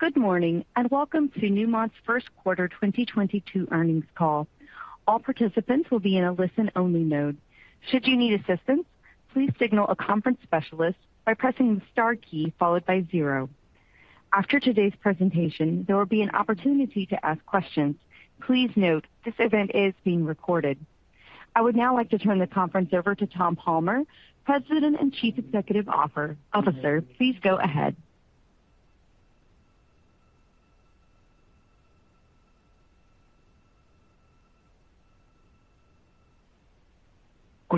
Good morning, and welcome to Newmont's Q1 2022 earnings call. All participants will be in a listen-only mode. Should you need assistance, please signal a conference specialist by pressing the star key followed by zero. After today's presentation, there will be an opportunity to ask questions. Please note, this event is being recorded. I would now like to turn the conference over to Tom Palmer, President and Chief Executive Officer. Please go ahead.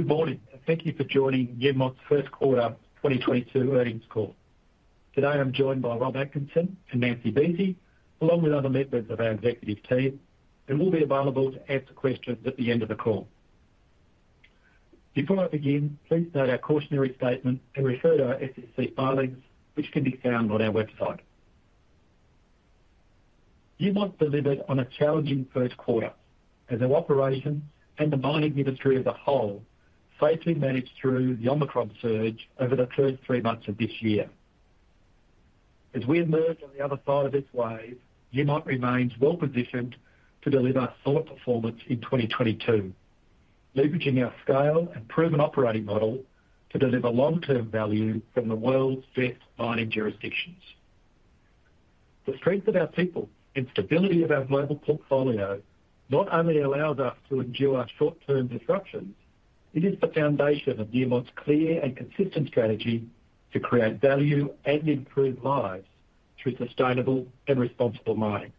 Good morning. Thank you for joining Newmont's Q1 2022 earnings call. Today, I'm joined by Rob Atkinson and Nancy Buese, along with other members of our executive team, and we'll be available to answer questions at the end of the call. Before I begin, please note our cautionary statement and refer to our SEC filings, which can be found on our website. Newmont delivered on a challenging Q1 as our operations and the mining industry as a whole safely managed through the Omicron surge over the first three months of this year. As we emerge on the other side of this wave, Newmont remains well-positioned to deliver solid performance in 2022, leveraging our scale and proven operating model to deliver long-term value from the world's best mining jurisdictions. The strength of our people and stability of our global portfolio not only allows us to endure short-term disruptions, it is the foundation of Newmont's clear and consistent strategy to create value and improve lives through sustainable and responsible mining.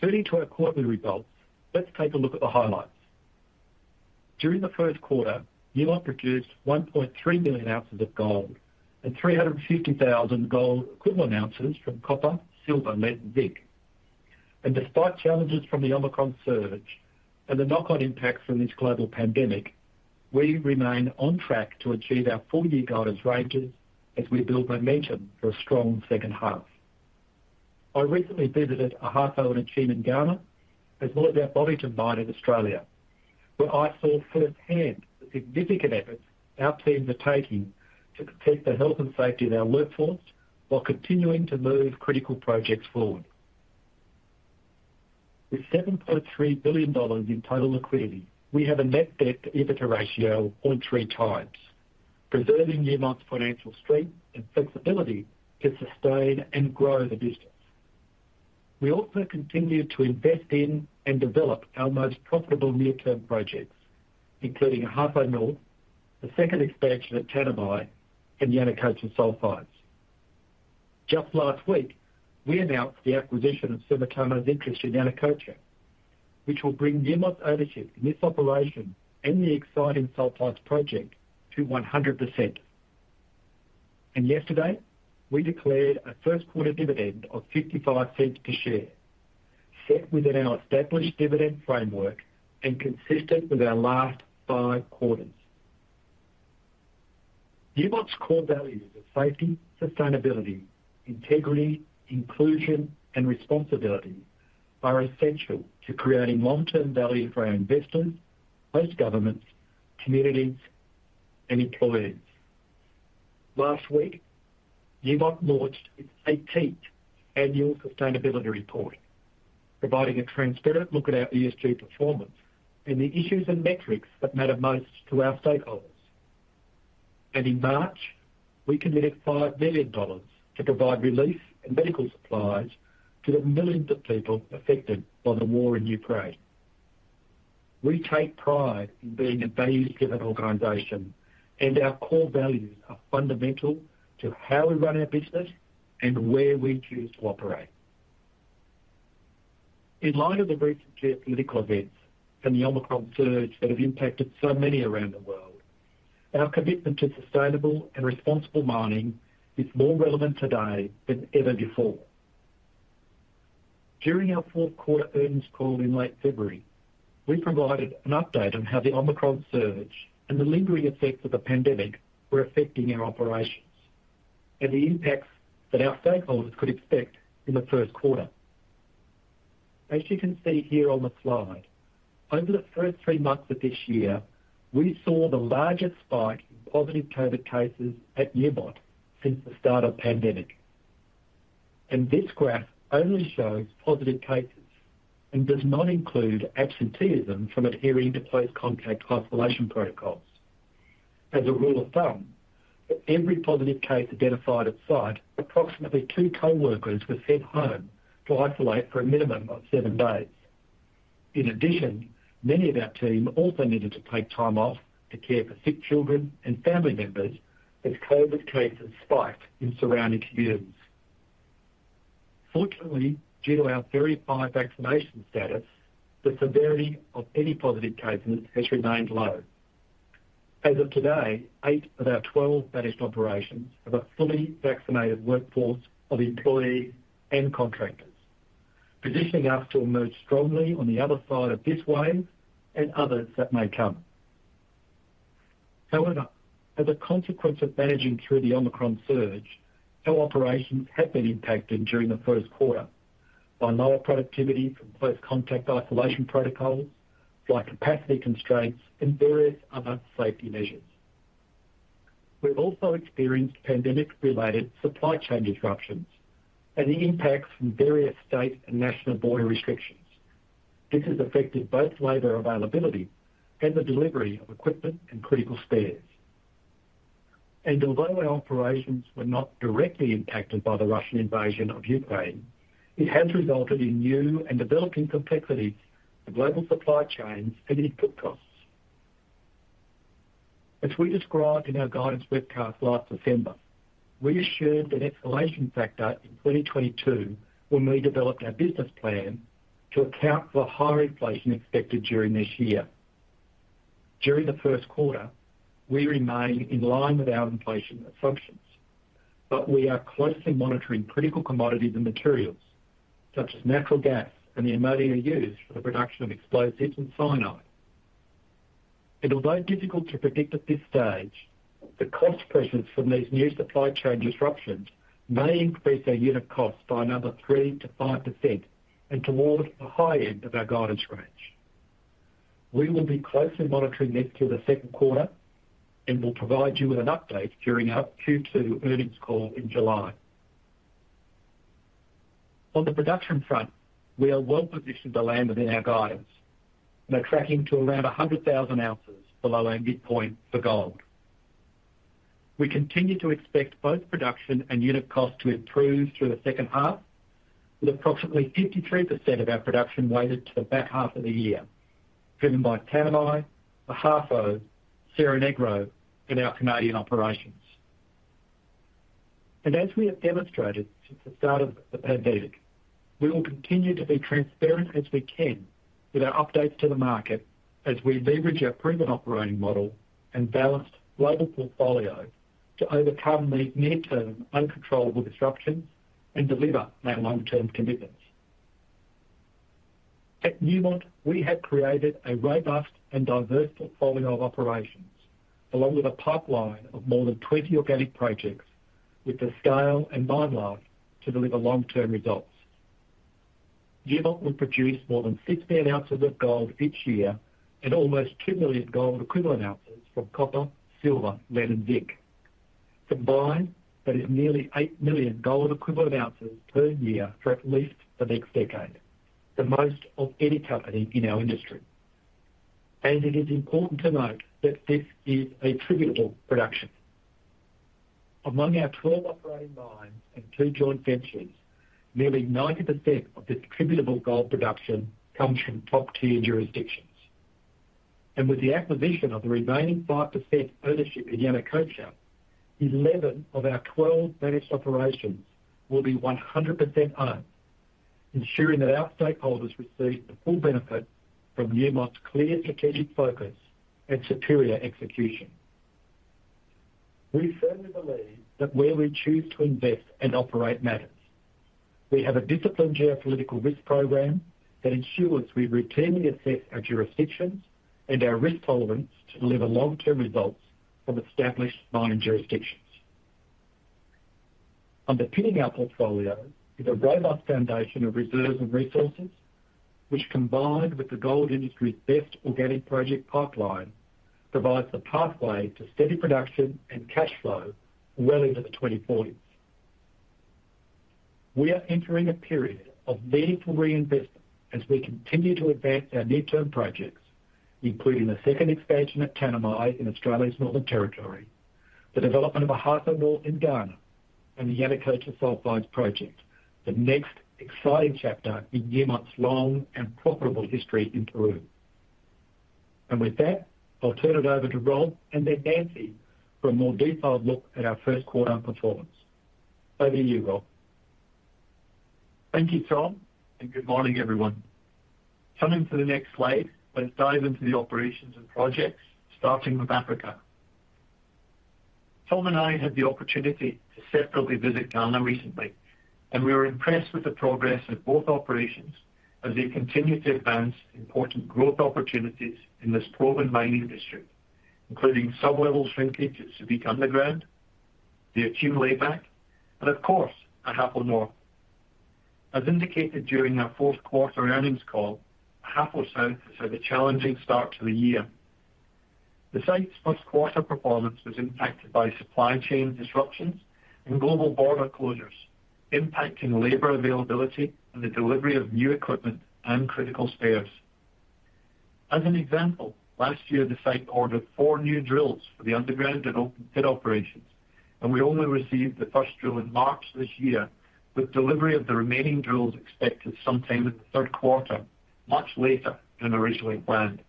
Turning to our quarterly results, let's take a look at the highlights. During the Q1, Newmont produced 1.3 million ounces of gold and 350,000 gold equivalent ounces from copper, silver, lead, and zinc. Despite challenges from the Omicron surge and the knock-on impacts from this global pandemic, we remain on track to achieve our full-year guidance ranges as we build momentum for a strong second half. I recently visited Ahafo and Akyem in Ghana, as well as our Boddington mine in Australia, where I saw firsthand the significant efforts our teams are taking to protect the health and safety of our workforce while continuing to move critical projects forward. With $7.3 billion in total liquidity, we have a net debt to EBITDA ratio of 0.3x, preserving Newmont's financial strength and flexibility to sustain and grow the business. We also continue to invest in and develop our most profitable near-term projects, including Ahafo Mill, the second expansion at Tanami, and Yanacocha Sulfides. Just last week, we announced the acquisition of Sumitomo's interest in Yanacocha, which will bring Newmont's ownership in this operation and the exciting sulfides project to 100%. Yesterday, we declared a Q1 dividend of $0.55 per share, set within our established dividend framework and consistent with our last 5 quarters. Newmont's core values of safety, sustainability, integrity, inclusion, and responsibility are essential to creating long-term value for our investors, host governments, communities, and employees. Last week, Newmont launched its 18th annual sustainability report, providing a transparent look at our ESG performance and the issues and metrics that matter most to our stakeholders. In March, we committed $5 million to provide relief and medical supplies to the millions of people affected by the war in Ukraine. We take pride in being a values-driven organization, and our core values are fundamental to how we run our business and where we choose to operate. In light of the recent geopolitical events and the Omicron surge that have impacted so many around the world, our commitment to sustainable and responsible mining is more relevant today than ever before. During our Q4 earnings call in late February, we provided an update on how the Omicron surge and the lingering effects of the pandemic were affecting our operations and the impacts that our stakeholders could expect in the Q1. As you can see here on the slide, over the first three months of this year, we saw the largest spike in positive COVID cases at Newmont since the start of pandemic. This graph only shows positive cases and does not include absenteeism from adhering to close contact isolation protocols. As a rule of thumb, for every positive case identified at site, approximately two coworkers were sent home to isolate for a minimum of seven days. In addition, many of our team also needed to take time off to care for sick children and family members as COVID cases spiked in surrounding communities. Fortunately, due to our very high vaccination status, the severity of any positive cases has remained low. As of today, eight of our 12 managed operations have a fully vaccinated workforce of employees and contractors, positioning us to emerge strongly on the other side of this wave and others that may come. However, as a consequence of managing through the Omicron surge, our operations have been impacted during the Q1 by lower productivity from close contact isolation protocols, flight capacity constraints, and various other safety measures. We've also experienced pandemic-related supply chain disruptions and the impacts from various state and national border restrictions. This has affected both labor availability and the delivery of equipment and critical spares. Although our operations were not directly impacted by the Russian invasion of Ukraine, it has resulted in new and developing complexities to global supply chains and input costs. As we described in our guidance webcast last December, we assumed an escalation factor in 2022 when we developed our business plan to account for higher inflation expected during this year. During the Q1, we remain in line with our inflation assumptions, but we are closely monitoring critical commodities and materials such as natural gas and the ammonia used for the production of explosives in Yanacocha. Although difficult to predict at this stage, the cost pressures from these new supply chain disruptions may increase our unit costs by another 3%-5% and towards the high end of our guidance range. We will be closely monitoring this through the Q2 and will provide you with an update during our Q2 earnings call in July. On the production front, we are well positioned to land within our guidance. We're tracking to around 100,000 ounces below our midpoint for gold. We continue to expect both production and unit cost to improve through the second half, with approximately 53% of our production weighted to the back half of the year, driven by Tanami, Ahafo, Cerro Negro, and our Canadian operations. As we have demonstrated since the start of the pandemic, we will continue to be transparent as we can with our updates to the market as we leverage our proven operating model and balanced global portfolio to overcome these near-term uncontrollable disruptions and deliver our long-term commitments. At Newmont we have created a robust and diverse portfolio of operations, along with a pipeline of more than 20 organic projects with the scale and mine life to deliver long-term results. Newmont will produce more than six million ounces of gold each year and almost 2 million gold equivalent ounces from copper, silver, lead, and zinc. Combined, that is nearly 8 million gold equivalent ounces per year for at least the next decade, the most of any company in our industry. It is important to note that this is attributable production. Among our 12 operating mines and 2 joint ventures, nearly 90% of this attributable gold production comes from top-tier jurisdictions. With the acquisition of the remaining 5% ownership in Yanacocha, 11 of our 12 managed operations will be 100% owned, ensuring that our stakeholders receive the full benefit from Newmont's clear strategic focus and superior execution. We firmly believe that where we choose to invest and operate matters. We have a disciplined geopolitical risk program that ensures we routinely assess our jurisdictions and our risk tolerance to deliver long-term results from established mining jurisdictions. Underpinning our portfolio is a robust foundation of reserves and resources, which, combined with the gold industry's best organic project pipeline, provides the pathway to steady production and cash flow well into the 2040s. We are entering a period of meaningful reinvestment as we continue to advance our near-term projects, including the second expansion at Tanami in Australia's Northern Territory, the development of Ahafo North in Ghana, and the Yanacocha Sulfides Project, the next exciting chapter in Newmont's long and profitable history in Peru. With that, I'll turn it over to Rob and then Nancy for a more detailed look at our Q1 performance. Over to you, Rob. Thank you, Tom, and good morning, everyone. Coming to the next slide, let's dive into the operations and projects, starting with Africa. Tom and I had the opportunity to separately visit Ghana recently, and we were impressed with the progress of both operations as they continue to advance important growth opportunities in this proven mining district, including sublevel shrinkage at Subika Underground, the Akyem Layback, and of course, Ahafo North. As indicated during our Q4 earnings call, Ahafo South has had a challenging start to the year. The site's Q1 performance was impacted by supply chain disruptions and global border closures, impacting labor availability and the delivery of new equipment and critical spares. As an example, last year, the site ordered four new drills for the underground and open pit operations, and we only received the first drill in March this year, with delivery of the remaining drills expected sometime in the Q3, much later than originally planned.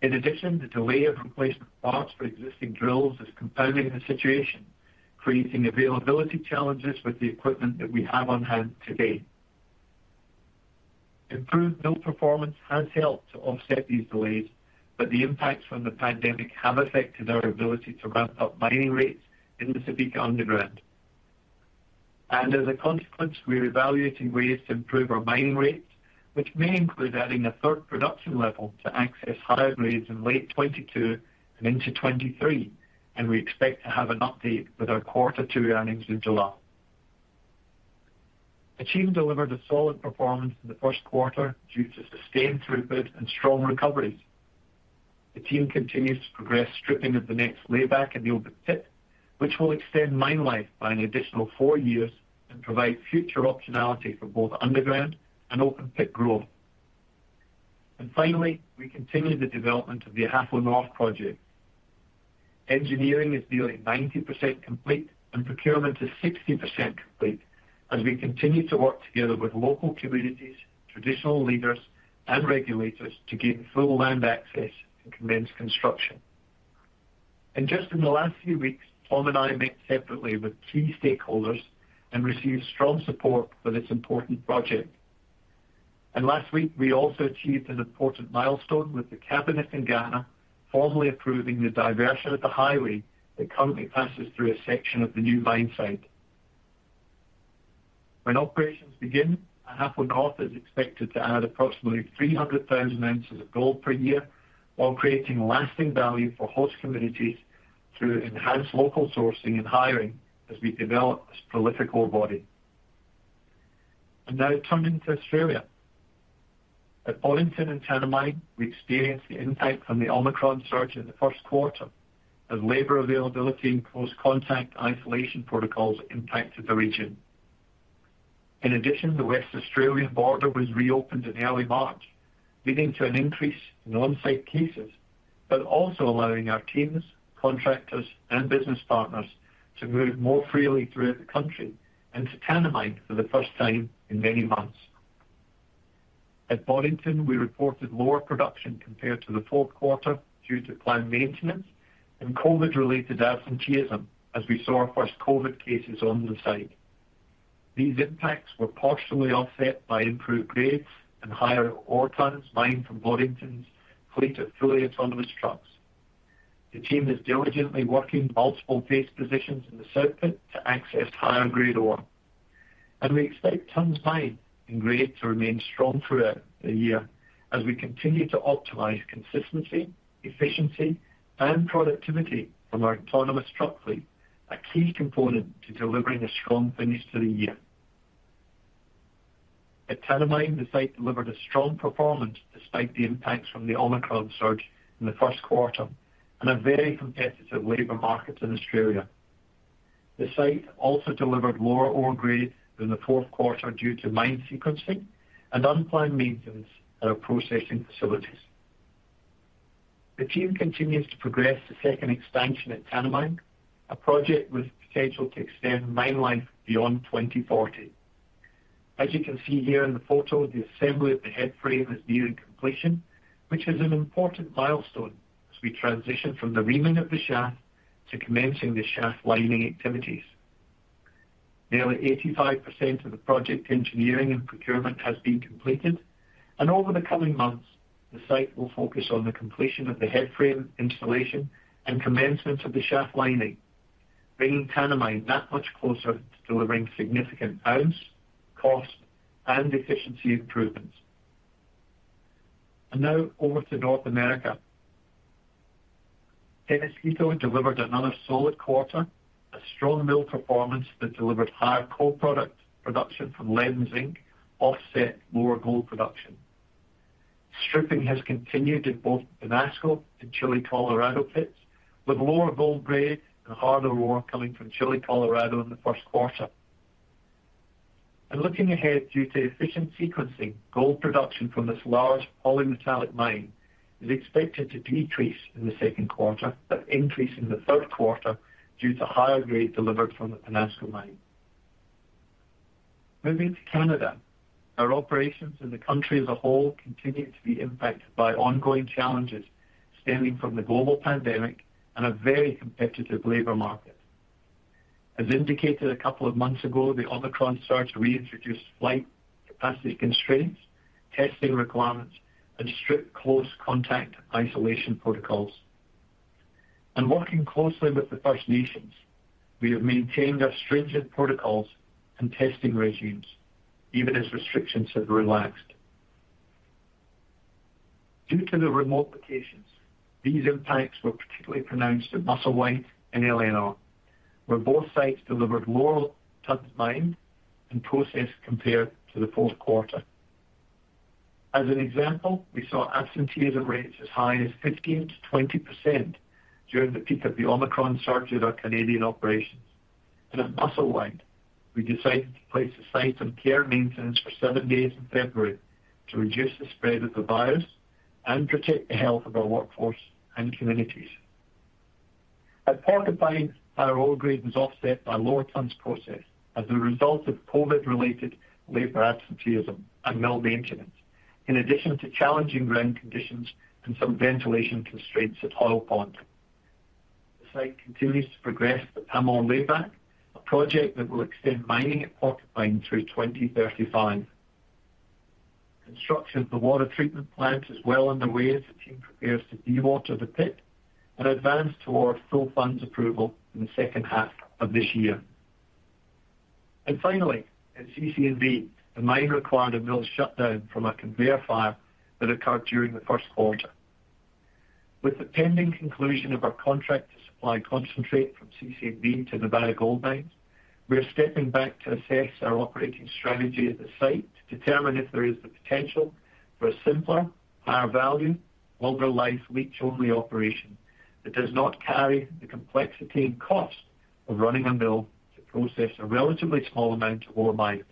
In addition, the delay of replacement parts for existing drills is compounding the situation, creating availability challenges with the equipment that we have on hand today. Improved mill performance has helped to offset these delays, but the impacts from the pandemic have affected our ability to ramp up mining rates in the Subika Underground. As a consequence, we're evaluating ways to improve our mine rates, which may include adding a third production level to access high grades in late 2022 and into 2023, and we expect to have an update with our quarter 2 earnings in July. Ahafo delivered a solid performance in the Q1 due to sustained throughput and strong recoveries. The team continues to progress stripping of the next layback in the open pit, which will extend mine life by an additional four years and provide future optionality for both underground and open pit growth. Finally, we continue the development of the Ahafo North project. Engineering is nearly 90% complete and procurement is 60% complete as we continue to work together with local communities, traditional leaders and regulators to gain full land access and commence construction. Just in the last few weeks, Tom and I met separately with key stakeholders and received strong support for this important project. Last week, we also achieved an important milestone with the cabinet in Ghana formally approving the diversion of the highway that currently passes through a section of the new mine site. When operations begin, Ahafo North is expected to add approximately 300,000 ounces of gold per year while creating lasting value for host communities through enhanced local sourcing and hiring as we develop this prolific ore body. Now turning to Australia. At Boddington and Tanami, we experienced the impact from the Omicron surge in the Q1 as labor availability and close contact isolation protocols impacted the region. In addition, the Western Australian border was reopened in early March, leading to an increase in on-site cases, but also allowing our teams, contractors and business partners to move more freely throughout the country and to Tanami for the first time in many months. At Boddington, we reported lower production compared to the Q4 due to plant maintenance and COVID-related absenteeism as we saw our first COVID cases on the site. These impacts were partially offset by improved grades and higher ore tons mined from Boddington's fleet of fully autonomous trucks. The team is diligently working multiple face positions in the south pit to access higher-grade ore. We expect tons mined and grade to remain strong throughout the year as we continue to optimize consistency, efficiency, and productivity from our autonomous truck fleet, a key component to delivering a strong finish to the year. At Tanami, the site delivered a strong performance despite the impacts from the Omicron surge in the Q1 and a very competitive labor market in Australia. The site also delivered lower ore grade than the Q4 due to mine sequencing and unplanned maintenance at our processing facilities. The team continues to progress the second expansion at Tanami, a project with potential to extend mine life beyond 2040. As you can see here in the photo, the assembly of the head frame is nearing completion, which is an important milestone as we transition from the reaming of the shaft to commencing the shaft lining activities. Nearly 85% of the project engineering and procurement has been completed, and over the coming months, the site will focus on the completion of the head frame installation and commencement of the shaft lining, bringing Tanami that much closer to delivering significant ounce, cost, and efficiency improvements. Now over to North America. Peñasquito delivered another solid quarter, a strong mill performance that delivered higher co-product production from lead and zinc, offset lower gold production. Stripping has continued in both the Peñasco and Chile Colorado pits, with lower gold grade and harder ore coming from Chile Colorado in the Q1. Looking ahead, due to efficient sequencing, gold production from this large polymetallic mine is expected to decrease in the Q2, but increase in the Q3 due to higher grade delivered from the Peñasco mine. Moving to Canada, our operations in the country as a whole continue to be impacted by ongoing challenges stemming from the global pandemic and a very competitive labor market. As indicated a couple of months ago, the Omicron surge reintroduced flight capacity constraints, testing requirements, and strict close contact isolation protocols. Working closely with the First Nations, we have maintained our stringent protocols and testing regimes, even as restrictions have relaxed. Due to the remote locations, these impacts were particularly pronounced at Musselwhite and Éléonore, where both sites delivered lower tons mined and processed compared to the Q4. As an example, we saw absenteeism rates as high as 15%-20% during the peak of the Omicron surge at our Canadian operations. At Musselwhite, we decided to place the site on care and maintenance for 7 days in February to reduce the spread of the virus and protect the health of our workforce and communities. At Porcupine, our ore grade was offset by lower tons processed as a result of COVID-related labor absenteeism and mill maintenance, in addition to challenging ground conditions and some ventilation constraints at Hoyle Pond. The site continues to progress the Pamour Layback, a project that will extend mining at Porcupine through 2035. Construction of the water treatment plant is well underway as the team prepares to dewater the pit and advance towards full funds approval in the second half of this year. Finally, at CC&V, the mine required a mill shutdown from a conveyor fire that occurred during the Q1. With the pending conclusion of our contract to supply concentrate from CC&V to Nevada Gold Mines, we are stepping back to assess our operating strategy at the site to determine if there is the potential for a simpler, higher value, longer life leach-only operation that does not carry the complexity and cost of running a mill to process a relatively small amount of ore mined.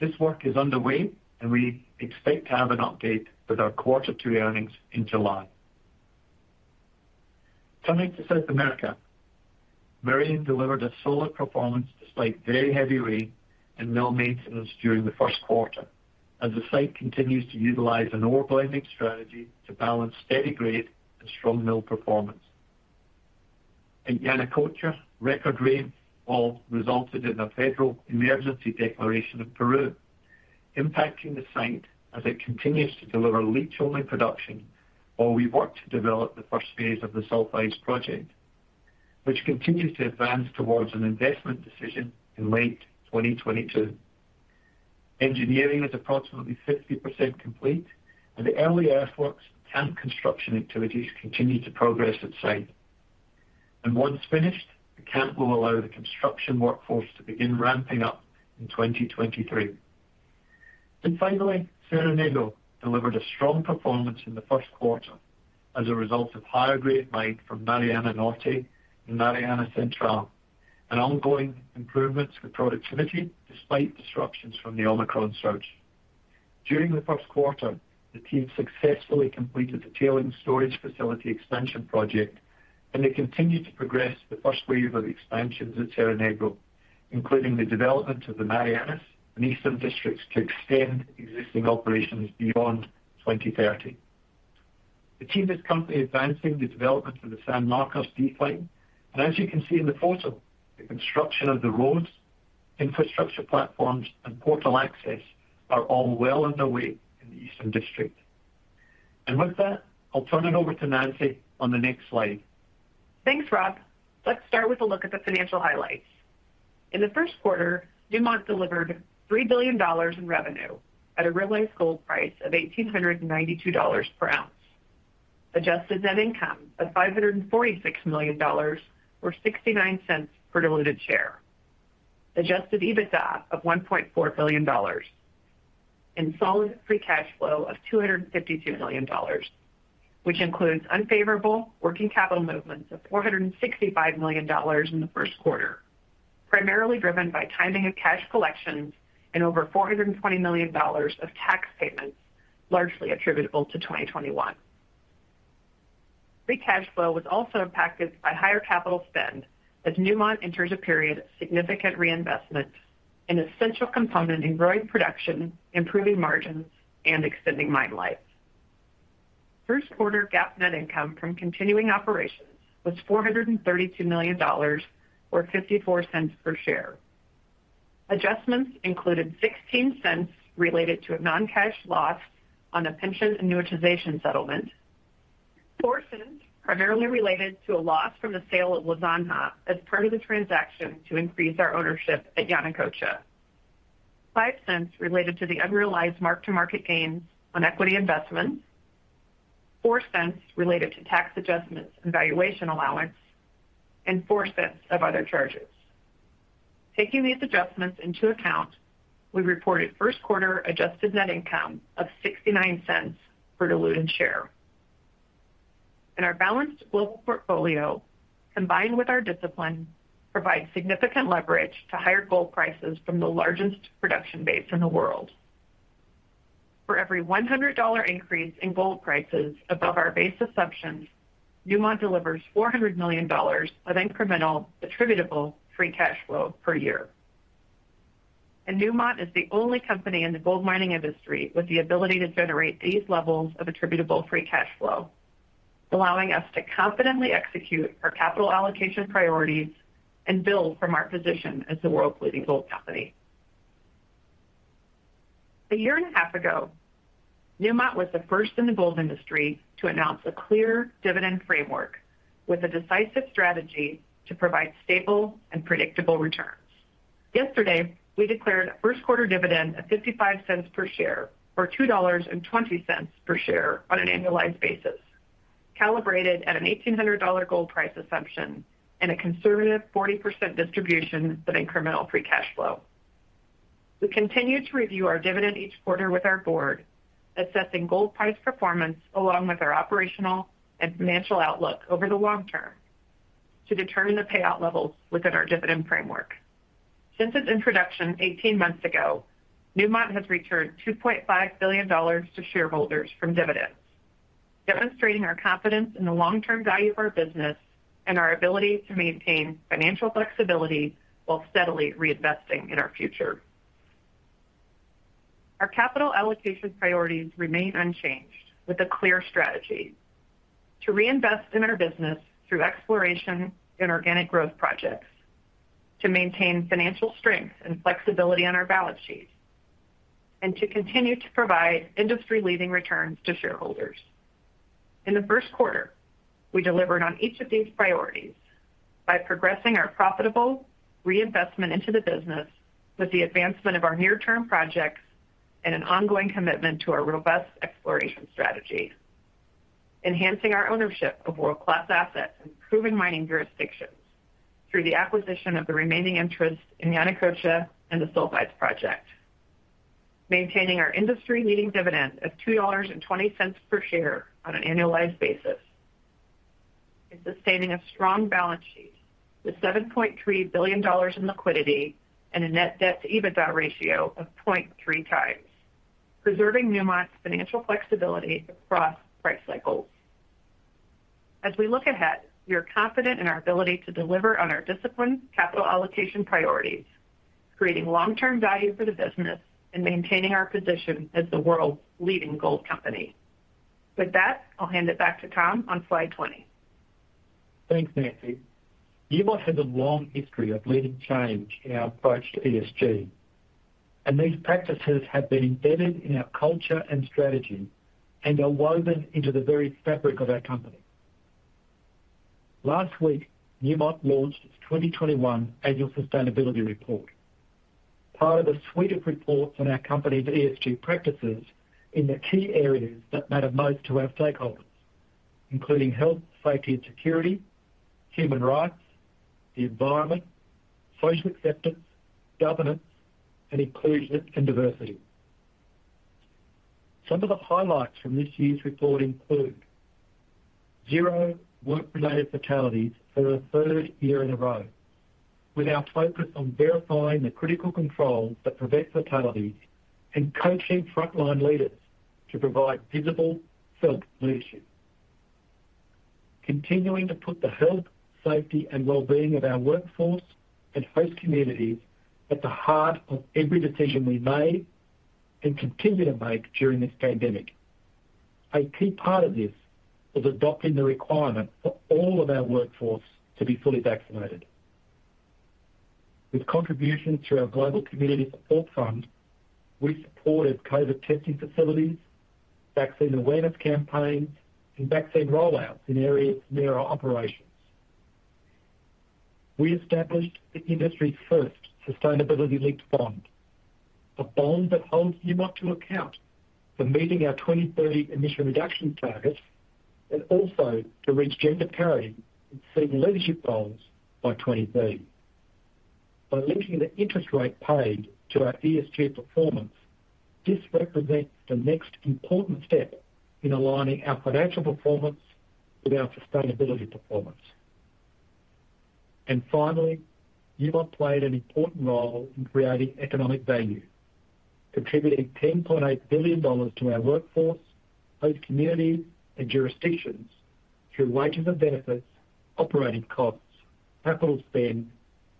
This work is underway, and we expect to have an update with our quarter two earnings in July. Coming to South America, Merian delivered a solid performance despite very heavy rain and mill maintenance during the Q1, as the site continues to utilize an ore blending strategy to balance steady grade and strong mill performance. At Yanacocha, record rains all resulted in a federal emergency declaration in Peru, impacting the site as it continues to deliver leach-only production, while we work to develop the first phase of the sulfides project, which continues to advance towards an investment decision in late 2022. Engineering is approximately 50% complete, and the early earthworks camp construction activities continue to progress at site. Once finished, the camp will allow the construction workforce to begin ramping up in 2023. Finally, Cerro Negro delivered a strong performance in the Q1 as a result of higher-grade mine from Mariana Norte and Mariana Central, and ongoing improvements with productivity despite disruptions from the Omicron surge. During the Q1, the team successfully completed the tailings storage facility expansion project, and they continued to progress the first wave of expansions at Cerro Negro, including the development of the Marianas and Eastern Districts to extend existing operations beyond 2030. The team is currently advancing the development of the San Marcos decline. As you can see in the photo, the construction of the roads, infrastructure platforms, and portal access are all well underway in the Eastern District. With that, I'll turn it over to Nancy on the next slide. Thanks, Rob. Let's start with a look at the financial highlights. In the Q1, Newmont delivered $3 billion in revenue at a realized gold price of $1,892 per ounce. Adjusted net income of $546 million or $0.69 per diluted share. Adjusted EBITDA of $1.4 billion and solid free cash flow of $252 million, which includes unfavorable working capital movements of $465 million in the Q1, primarily driven by timing of cash collections and over $420 million of tax payments, largely attributable to 2021. Free cash flow was also impacted by higher capital spend as Newmont enters a period of significant reinvestment, an essential component in growing production, improving margins, and extending mine life. Q1 GAAP net income from continuing operations was $432 million or $0.54 per share. Adjustments included $0.16 related to a non-cash loss on a pension annuitization settlement, $0.04 primarily related to a loss from the sale of La Zanja as part of the transaction to increase our ownership at Yanacocha, $0.05 related to the unrealized mark-to-market gains on equity investments, $0.04 related to tax adjustments and valuation allowance, and $0.04 of other charges. Taking these adjustments into account, we reported Q1 adjusted net income of $0.69 per diluted share. Our balanced global portfolio, combined with our discipline, provides significant leverage to higher gold prices from the largest production base in the world. For every $100 increase in gold prices above our base assumptions, Newmont delivers $400 million in incremental attributable free cash flow per year. Newmont is the only company in the gold mining industry with the ability to generate these levels of attributable free cash flow, allowing us to confidently execute our capital allocation priorities and build from our position as the world's leading gold company. A year and a half ago, Newmont was the first in the gold industry to announce a clear dividend framework with a decisive strategy to provide stable and predictable returns. Yesterday, we declared a Q1 dividend of $0.55 per share or $2.20 per share on an annualized basis, calibrated at a $1,800 gold price assumption and a conservative 40% distribution of incremental free cash flow. We continue to review our dividend each quarter with our board, assessing gold price performance along with our operational and financial outlook over the long term to determine the payout levels within our dividend framework. Since its introduction eighteen months ago, Newmont has returned $2.5 billion to shareholders from dividends, demonstrating our confidence in the long-term value of our business and our ability to maintain financial flexibility while steadily reinvesting in our future. Our capital allocation priorities remain unchanged with a clear strategy, to reinvest in our business through exploration and organic growth projects, to maintain financial strength and flexibility on our balance sheet and to continue to provide industry-leading returns to shareholders. In the Q1, we delivered on each of these priorities by progressing our profitable reinvestment into the business with the advancement of our near-term projects and an ongoing commitment to our robust exploration strategy. Enhancing our ownership of world-class assets and improving mining jurisdictions through the acquisition of the remaining interest in Yanacocha and the Sulfides project. Maintaining our industry-leading dividend of $2.20 per share on an annualized basis is sustaining a strong balance sheet with $7.3 billion in liquidity and a net debt-to-EBITDA ratio of 0.3x, preserving Newmont's financial flexibility across price cycles. As we look ahead, we are confident in our ability to deliver on our disciplined capital allocation priorities, creating long-term value for the business, and maintaining our position as the world's leading gold company. With that, I'll hand it back to Tom on slide 20. Thanks, Nancy. Newmont has a long history of leading change in our approach to ESG, and these practices have been embedded in our culture and strategy and are woven into the very fabric of our company. Last week, Newmont launched its 2021 Annual Sustainability Report, part of a suite of reports on our company's ESG practices in the key areas that matter most to our stakeholders, including health, safety and security, human rights, the environment, social acceptance, governance, and inclusion and diversity. Some of the highlights from this year's report include zero work-related fatalities for a third year in a row, with our focus on verifying the critical controls that prevent fatalities and coaching frontline leaders to provide visible felt leadership. Continuing to put the health, safety, and well-being of our workforce and host communities at the heart of every decision we made and continue to make during this pandemic. A key part of this is adopting the requirement for all of our workforce to be fully vaccinated. With contributions to our Global Community Support Fund, we supported COVID testing facilities, vaccine awareness campaigns, and vaccine rollouts in areas near our operations. We established the industry's first sustainability-linked bond, a bond that holds Newmont to account for meeting our 2030 emission reduction targets and also to reach gender parity in senior leadership roles by 2030. By linking the interest rate paid to our ESG performance, this represents the next important step in aligning our financial performance with our sustainability performance. Finally, Newmont played an important role in creating economic value, contributing $10.8 billion to our workforce, host communities, and jurisdictions through wages and benefits, operating costs, capital spend,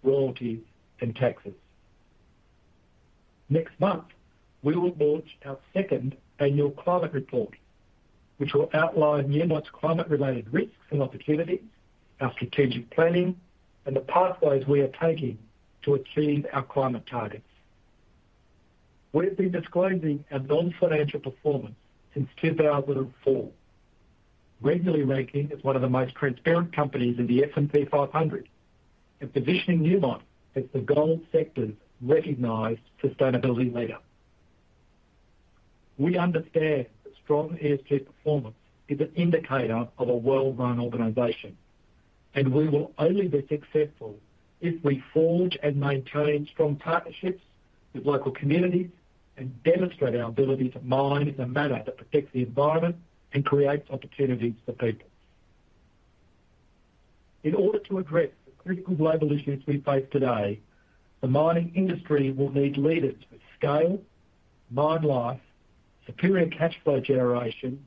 royalties, and taxes. Next month, we will launch our second annual climate report, which will outline Newmont's climate-related risks and opportunities, our strategic planning, and the pathways we are taking to achieve our climate targets. We've been disclosing our non-financial performance since 2004, regularly ranking as one of the most transparent companies in the S&P 500 and positioning Newmont as the gold sector's recognized sustainability leader. We understand that strong ESG performance is an indicator of a well-run organization, and we will only be successful if we forge and maintain strong partnerships with local communities and demonstrate our ability to mine in a manner that protects the environment and creates opportunities for people. In order to address the critical global issues we face today, the mining industry will need leaders with scale, mine life, superior cash flow generation,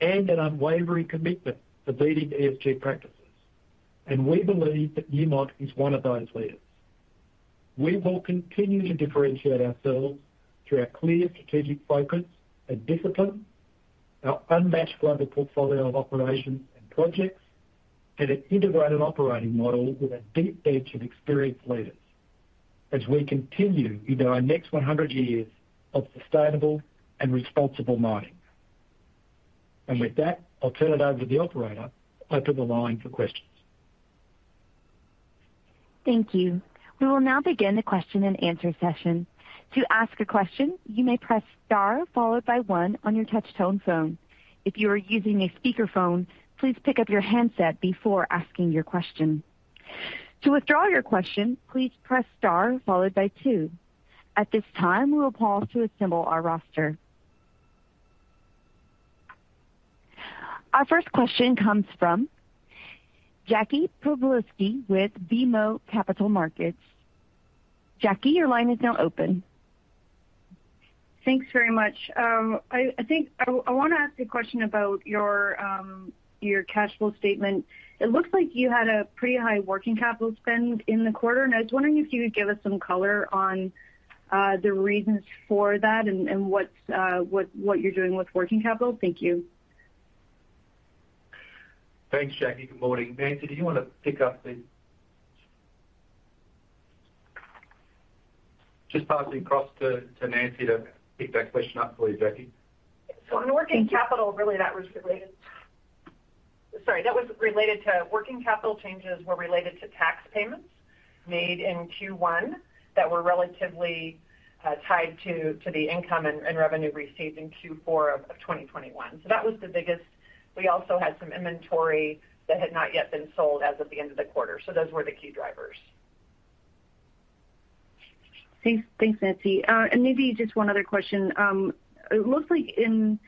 and an unwavering commitment to leading ESG practices. We believe that Newmont is one of those leaders. We will continue to differentiate ourselves through our clear strategic focus and discipline, our unmatched global portfolio of operations and projects, and an integrated operating model with a deep bench of experienced leaders as we continue into our next 100 years of sustainable and responsible mining. With that, I'll turn it over to the operator to open the line for questions. Thank you. We will now begin the question-and-answer session. To ask a question, you may press star followed by one on your touch-tone phone. If you are using a speakerphone, please pick up your handset before asking your question. To withdraw your question, please press star followed by two. At this time, we will pause to assemble our roster. Our first question comes from Jackie Przybylowski with BMO Capital Markets. Jackie, your line is now open. Thanks very much. I think I wanna ask a question about your cash flow statement. It looks like you had a pretty high working capital spend in the quarter, and I was wondering if you could give us some color on the reasons for that and what you're doing with working capital. Thank you. Thanks, Jackie. Good morning. Just passing across to Nancy to pick that question up for you, Jackie. On working capital, really, that was related to working capital changes were related to tax payments made in Q1 that were relatively tied to the income and revenue received in Q4 of 2021. That was the biggest. We also had some inventory that had not yet been sold as of the end of the quarter. Those were the key drivers. Thanks. Thanks, Nancy. Maybe just one other question. It looks like in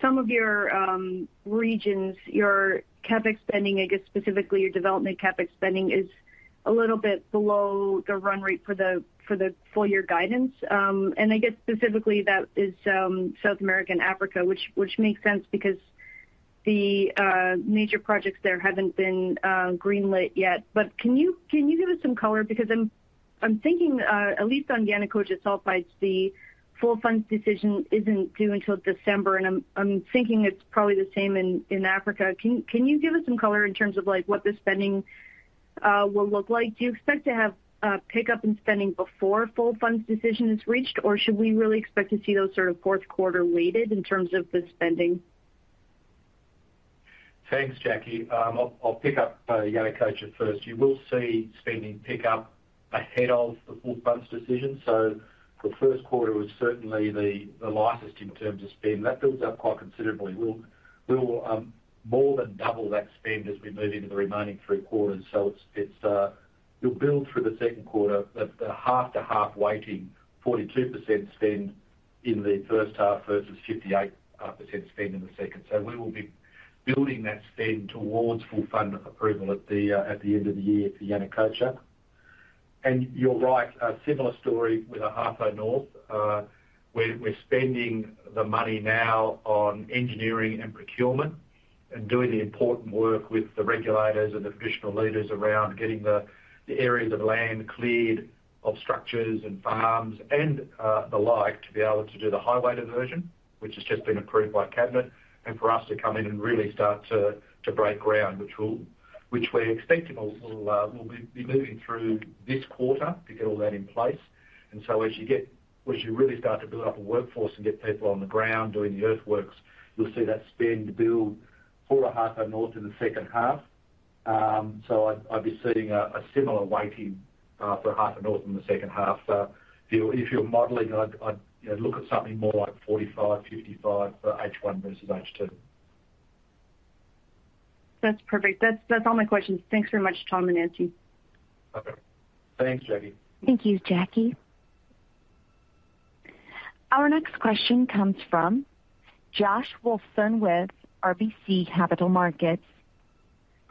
some of your regions, your CapEx spending, I guess specifically your development CapEx spending, is a little bit below the run rate for the full year guidance. I guess specifically that is South America and Africa, which makes sense because the major projects there haven't been greenlit yet. Can you give us some color? Because I'm thinking, at least on Yanacocha Sulfides, the full funds decision isn't due until December, and I'm thinking it's probably the same in Africa. Can you give us some color in terms of, like, what the spending will look like? Do you expect to have pickup in spending before full funding decision is reached, or should we really expect to see those sort of Q4 weighted in terms of the spending? Thanks, Jackie. I'll pick up Yanacocha first. You will see spending pick up ahead of the full funds decision. The Q1 was certainly the lightest in terms of spend. That builds up quite considerably. We'll more than double that spend as we move into the remaining three quarters. It's you'll build through the Q2 at a half to half weighting, 42% spend in the first half versus 58% spend in the second. We will be building that spend towards full fund approval at the end of the year for Yanacocha. You're right, a similar story with Ahafo North. We are spending the money now on engineering and procurement and doing the important work with the regulators and the traditional leaders around getting the areas of land cleared of structures and farms and the like to be able to do the highway diversion, which has just been approved by cabinet, and for us to come in and really start to break ground, which we're expecting will be moving through this quarter to get all that in place. Once you really start to build up a workforce and get people on the ground doing the earthworks, you'll see that spend build for Ahafo North in the second half. I'd be seeing a similar weighting for Ahafo North in the second half. If you're modeling, I'd, you know, look at something more like 45, 55 for H1 versus H2. That's perfect. That's all my questions. Thanks very much, Tom and Nancy. Okay. Thanks, Jackie. Thank you, Jackie. Our next question comes from Josh Wolfson with RBC Capital Markets.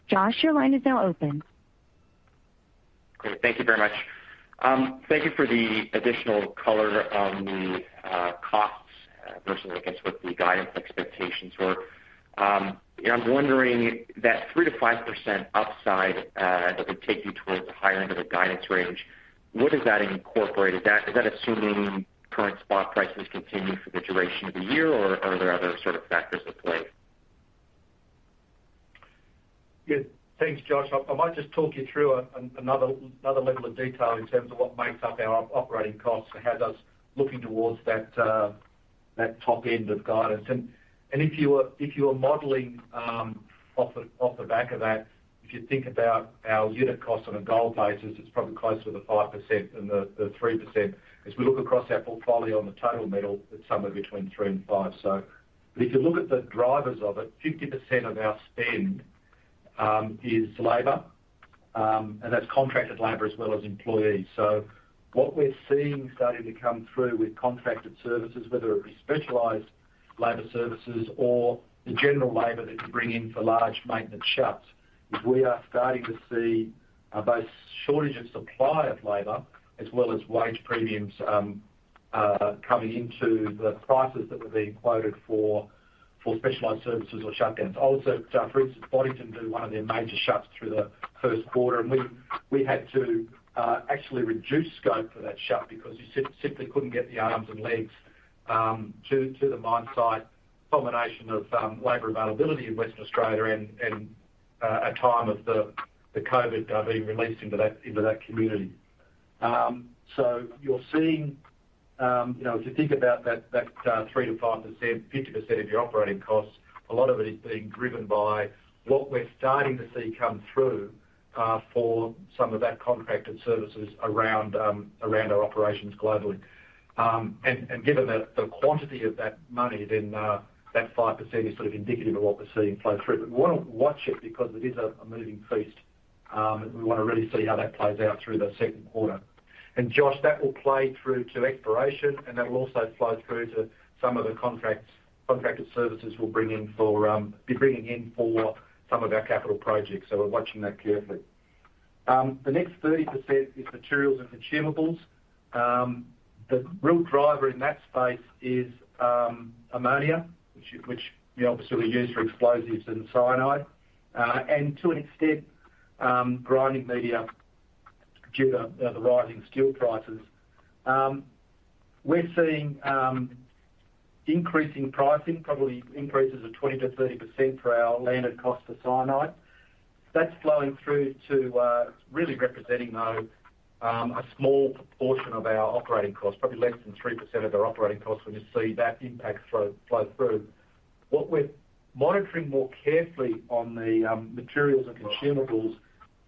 Josh, your line is now open. Great. Thank you very much. Thank you for the additional color on the costs versus, I guess, what the guidance expectations were. I'm wondering that 3%-5% upside that would take you towards the high end of the guidance range, what does that incorporate? Is that assuming current spot prices continue for the duration of the year, or are there other sort of factors at play? Yeah. Thanks, Josh. I might just talk you through another level of detail in terms of what makes up our operating costs and has us looking towards that top end of guidance. If you are modeling off the back of that, if you think about our unit cost on a gold basis, it's probably closer to the 5% than the 3%. As we look across our portfolio on the total metal, it's somewhere between 3%-5%. If you look at the drivers of it, 50% of our spend is labor, and that's contracted labor as well as employees. What we are seeing starting to come through with contracted services, whether it be specialized labor services or the general labor that you bring in for large maintenance shuts, is we are starting to see both shortage of supply of labor as well as wage premiums coming into the prices that were being quoted for specialized services or shut downs. For instance, Boddington did one of their major shuts through the Q1, and we had to actually reduce scope for that shut because you simply couldn't get the arms and legs to the mine site. Combination of labor availability in Western Australia and a time of the COVID being released into that community. You are seeing, you know, if you think about that, 3%-5%, 50% of your operating costs, a lot of it is being driven by what we're starting to see come through for some of that contracted services around our operations globally. Given the quantity of that money, that 5% is sort of indicative of what we're seeing flow through. We wanna watch it because it is a moving feast. We wanna really see how that plays out through the Q2. Josh, that will play through to exploration, and that will also flow through to some of the contracted services we'll be bringing in for some of our capital projects. We're watching that carefully. The next 30% is materials and consumables. The real driver in that space is ammonia, which we obviously use for explosives and cyanide, and to an extent, grinding media due to the rising steel prices. We're seeing increase in pricing, probably increases of 20%-30% for our landed cost for cyanide. That's flowing through to really representing, though, a small portion of our operating costs. Probably less than 3% of our operating costs when you see that impact flow through. What we are monitoring more carefully on the materials and consumables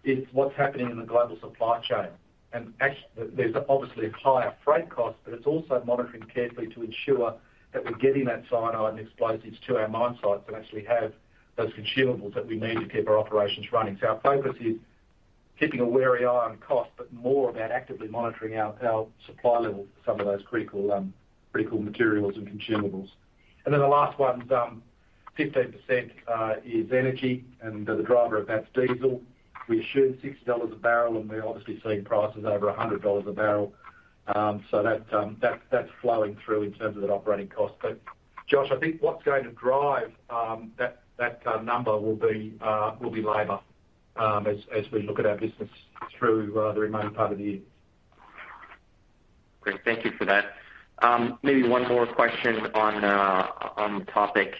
is what's happening in the global supply chain. There's obviously a higher freight cost, but it's also monitoring carefully to ensure that we're getting that cyanide and explosives to our mine sites and actually have those consumables that we need to keep our operations running. Our focus is keeping a wary eye on cost, but more about actively monitoring our supply levels for some of those critical materials and consumables. Then the last one's 15% is energy, and the driver of that's diesel. We assumed $6 a barrel, and we're obviously seeing prices over $100 a barrel. That's flowing through in terms of that operating cost. Josh, I think what's going to drive that number will be labor as we look at our business through the remaining part of the year. Great. Thank you for that. Maybe one more question on topic.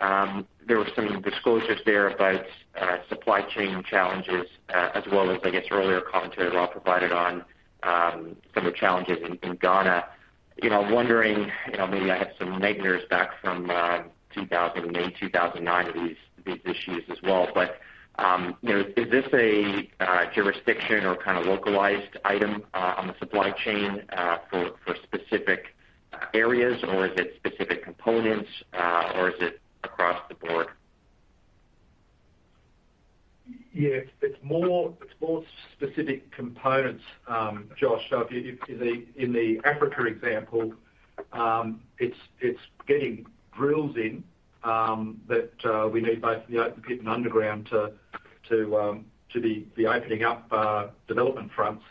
There were some disclosures there about supply chain challenges, as well as, I guess, earlier commentary Rob provided on some of the challenges in Ghana. You know, I'm wondering, you know, maybe I had some nightmares back from May 2009 of these issues as well. You know, is this a jurisdictional or kinda localized item on the supply chain for specific areas, or is it specific components, or is it across the board? It's more specific components, Josh. In the Africa example, it's getting drills in that we need both the open pit and underground to be opening up development fronts.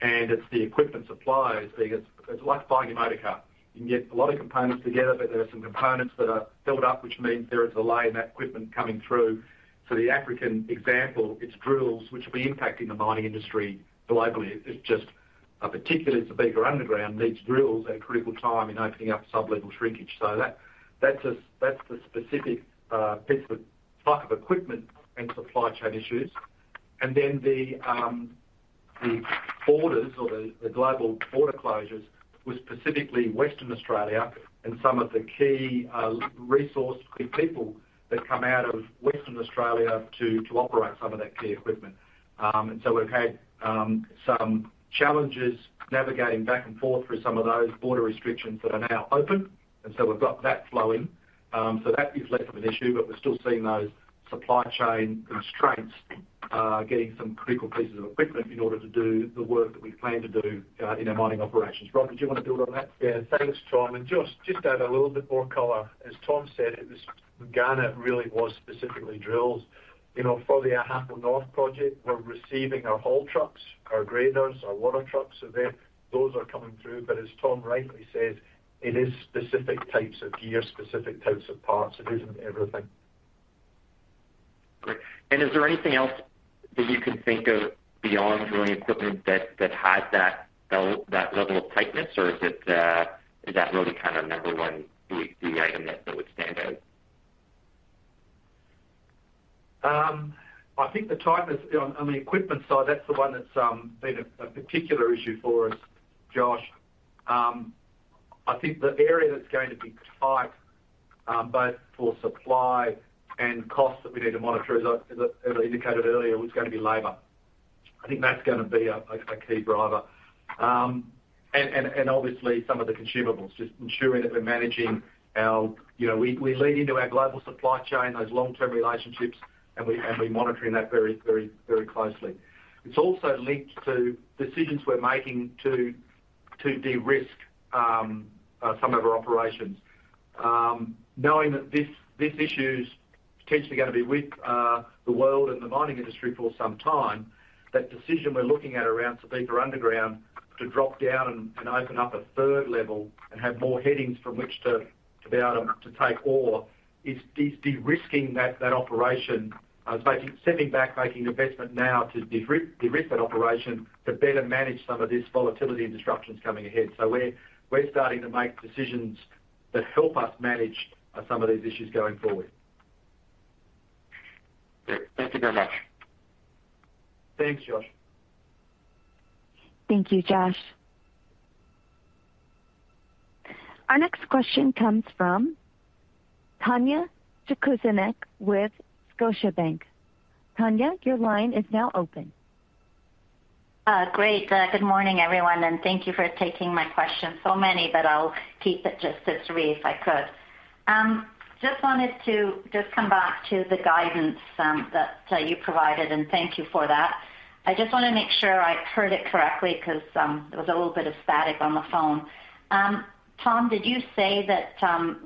It's the equipment suppliers. It's like buying a motor car. You can get a lot of components together, but there are some components that are built up, which means there is a delay in that equipment coming through. The African example, it's drills which will be impacting the mining industry globally. It's just particularly Subika Underground needs drills at a critical time in opening up sublevel shrinkage. That's the specific piece of type of equipment and supply chain issues. The borders or the global border closures was specifically Western Australia and some of the key resource key people that come out of Western Australia to operate some of that key equipment. We've had some challenges navigating back and forth through some of those border restrictions that are now open. We've got that flowing. That is less of an issue, but we're still seeing those supply chain constraints getting some critical pieces of equipment in order to do the work that we plan to do in our mining operations. Rob, did you wanna build on that? Yeah. Thanks, Tom. Josh, just to add a little bit more color. As Tom said, it was in Ghana, really, was specifically drills. You know, for the Ahafo North project, we're receiving our haul trucks, our graders, our water trucks. They're, those are coming through. As Tom rightly said, it is specific types of gear, specific types of parts. It isn't everything. Great. Is there anything else that you can think of beyond drilling equipment that has that belt, that level of tightness? Or is it, is that really kinda number one, the item that would stand out? I think the tightness on the equipment side, that's the one that's been a particular issue for us, Josh. I think the area that's going to be tight both for supply and cost that we need to monitor, as I indicated earlier, was gonna be labor. I think that's gonna be a key driver. Obviously some of the consumables, just ensuring that we're managing our. You know, we lead into our global supply chain, those long-term relationships, and we are monitoring that very closely. It's also linked to decisions we're making to de-risk some of our operations. Knowing that this issue's potentially gonna be with the world and the mining industry for some time, that decision we're looking at around Subika Underground to drop down and open up a third level and have more headings from which to be able to take ore is de-risking that operation. It's stepping back, making investment now to de-risk that operation to better manage some of this volatility and disruptions coming ahead. We are starting to make decisions that help us manage some of these issues going forward. Great. Thank you very much. Thanks, Josh. Thank you, Josh. Our next question comes from Tanya Jakusconek with Scotiabank. Tanya, your line is now open. Great. Good morning, everyone, and thank you for taking my question. Many, but I'll keep it just to three if I could. Just wanted to come back to the guidance that you provided, and thank you for that. I just wanna make sure I heard it correctly 'cause there was a little bit of static on the phone. Tom, did you say that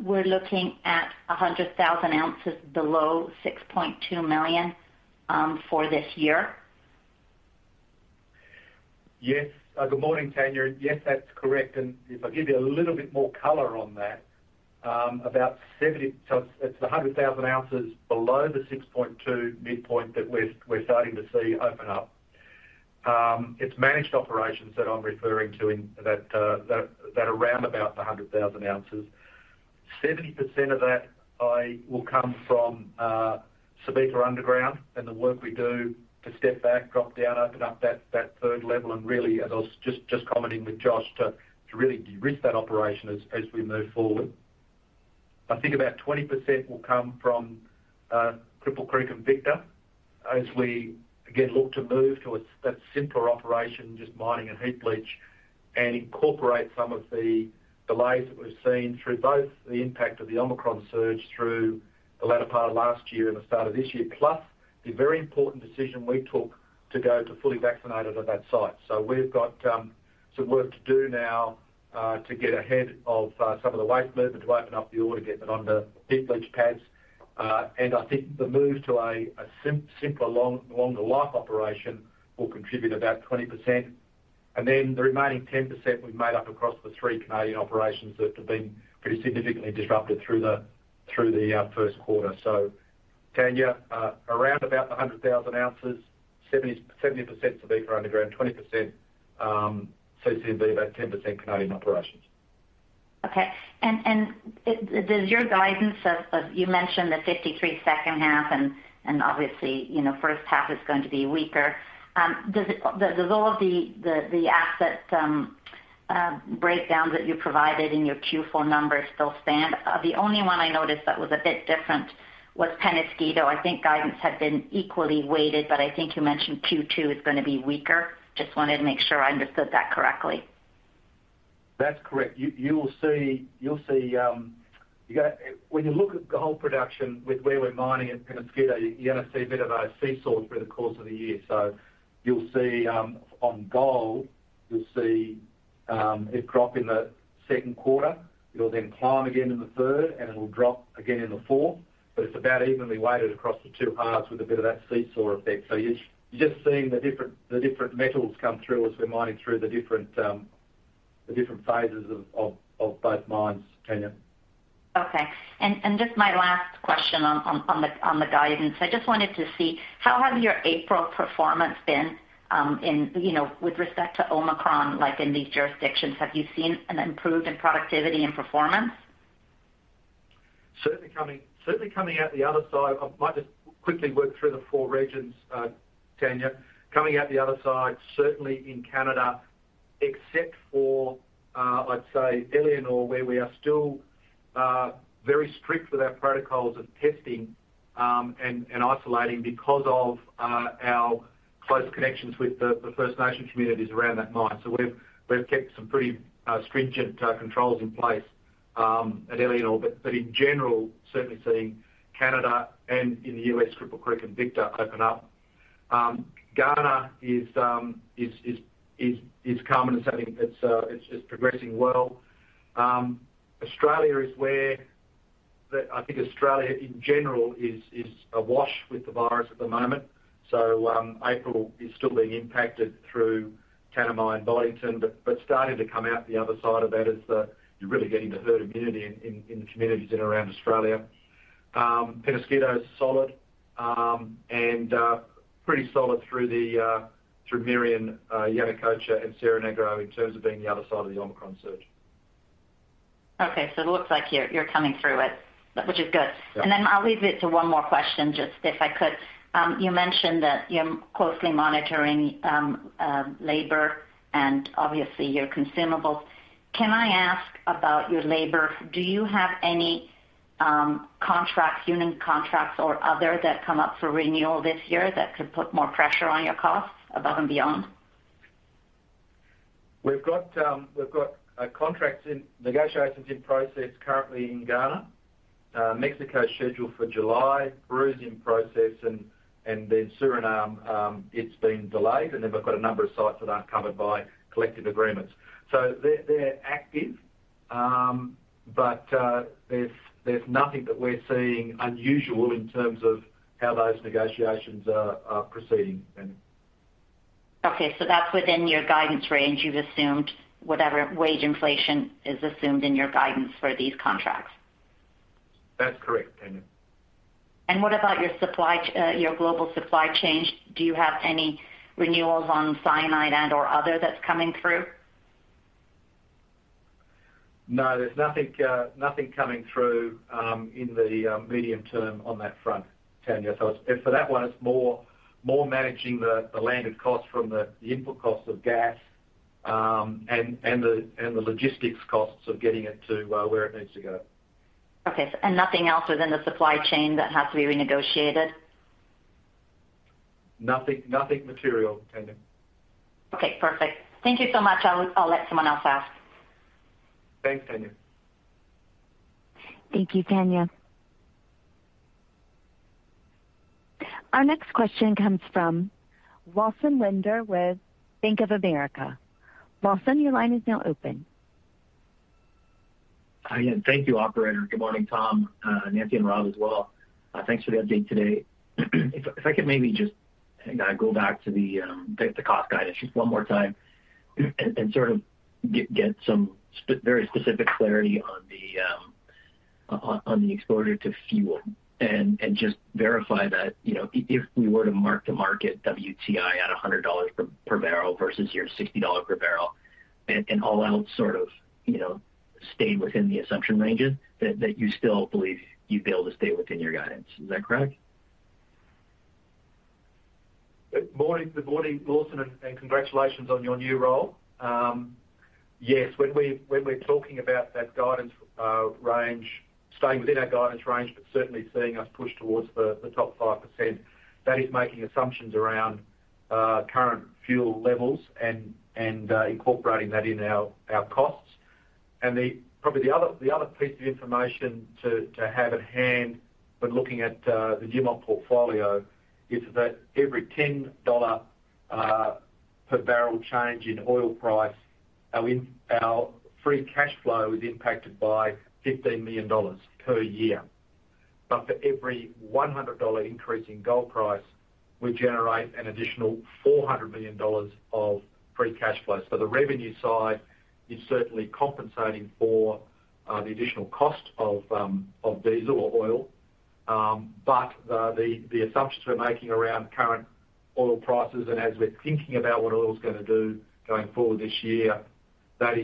we're looking at 100,000 ounces below 6.2 million for this year? Yes. Good morning, Tanya. Yes, that's correct. If I give you a little bit more color on that. About 70. It's 100,000 ounces below the 6.2 midpoint that we're starting to see open up. It's managed operations that I'm referring to in that around about 100,000 ounces. 70% of that will come from Subika Underground and the work we do to step back, drop down, open up that third level, and really, you know, just commenting with Josh to really de-risk that operation as we move forward. I think about 20% will come from Cripple Creek & Victor as we again look to move towards that simpler operation, just mining and heap leach, and incorporate some of the delays that we've seen through both the impact of the Omicron surge through the latter part of last year and the start of this year, plus the very important decision we took to go to fully vaccinated at that site. We've got some work to do now to get ahead of some of the waste movement to open up the ore to get it onto heap leach pads. I think the move to a simpler longer life operation will contribute about 20%. The remaining 10% we've made up across the three Canadian operations that have been pretty significantly disrupted through the Q1. Tanya, around about 100,000 ounces, 70% Subika Underground, 20% CC&V, about 10% Canadian operations. Okay. Does your guidance. You mentioned the 53 second half, and obviously, you know, first half is going to be weaker. Does all of the asset breakdowns that you provided in your Q4 numbers still stand? The only one I noticed that was a bit different was Peñasquito. I think guidance had been equally weighted, but I think you mentioned Q2 is gonna be weaker. Just wanted to make sure I understood that correctly. That's correct. You will see when you look at gold production with where we're mining at Peñasquito, you're gonna see a bit of a seesaw through the course of the year. You'll see on gold it drop in the Q2. It'll then climb again in the third, and it will drop again in the fourth. It's about evenly weighted across the two halves with a bit of that seesaw effect. You're just seeing the different metals come through as we're mining through the different phases of both mines, Tanya. Okay. Just my last question on the guidance. I just wanted to see how has your April performance been, you know, with respect to Omicron, like in these jurisdictions? Have you seen an improvement in productivity and performance? Certainly coming out the other side. I might just quickly work through the four regions, Tanya. Coming out the other side, certainly in Canada, except for I'd say Éléonore, where we are still very strict with our protocols of testing and isolating because of our close connections with the First Nations communities around that mine. We've kept some pretty stringent controls in place at Éléonore. In general, certainly seeing Canada and in the U.S., Cripple Creek and Victor open up. Ghana is coming. It's progressing well. I think Australia in general is awash with the virus at the moment. April is still being impacted through Tanami and Boddington, but starting to come out the other side of that as you're really getting the herd immunity in the communities in and around Australia. Penasquito is solid and pretty solid through Merian, Yanacocha, and Cerro Negro in terms of being the other side of the Omicron surge. Okay. It looks like you are coming through it, which is good. Yeah. I'll leave it to one more question, just if I could. You mentioned that you're closely monitoring labor and obviously your consumables. Can I ask about your labor? Do you have any contracts, union contracts or other that come up for renewal this year that could put more pressure on your costs above and beyond? We've got contracts in negotiations in process currently in Ghana. Mexico is scheduled for July. Peru is in process. Suriname, it's been delayed. We've got a number of sites that aren't covered by collective agreements. They're active, but there's nothing that we're seeing unusual in terms of how those negotiations are proceeding, Tanya. Okay. That's within your guidance range. You've assumed whatever wage inflation is assumed in your guidance for these contracts. That's correct, Tanya. What about your global supply chains? Do you have any renewals on cyanide and/or other that's coming through? No, there's nothing coming through in the medium term on that front, Tanya. For that one, it's more managing the landed cost from the input cost of gas, and the logistics costs of getting it to where it needs to go. Okay. Nothing else within the supply chain that has to be renegotiated? Nothing, nothing material, Tanya. Okay, perfect. Thank you so much. I'll let someone else ask. Thanks, Tanya. Thank you, Tanya. Our next question comes from Lawson Winder with Bank of America. Lawson, your line is now open. Hi again. Thank you, operator. Good morning, Tom, Nancy, and Rob as well. Thanks for the update today. If I could maybe just go back to the cost guidance just one more time and sort of get some very specific clarity on the exposure to fuel and just verify that, you know, if we were to mark-to-market WTI at $100 per barrel versus your $60 per barrel, and all else sort of, you know, stayed within the assumption ranges, that you still believe you'd be able to stay within your guidance. Is that correct? Good morning. Good morning, Lawson, and congratulations on your new role. Yes. When we're talking about that guidance range, staying within our guidance range, but certainly seeing us push towards the top 5%, that is making assumptions around current fuel levels and incorporating that in our costs. Probably the other piece of information to have at hand when looking at the Newmont portfolio is that every $10 per barrel change in oil price, our free cash flow is impacted by $15 million per year. For every $100 increase in gold price, we generate an additional $400 million of free cash flow. The revenue side is certainly compensating for the additional cost of diesel or oil. The assumptions we're making around current oil prices and as we're thinking about what oil's gonna do going forward this year, that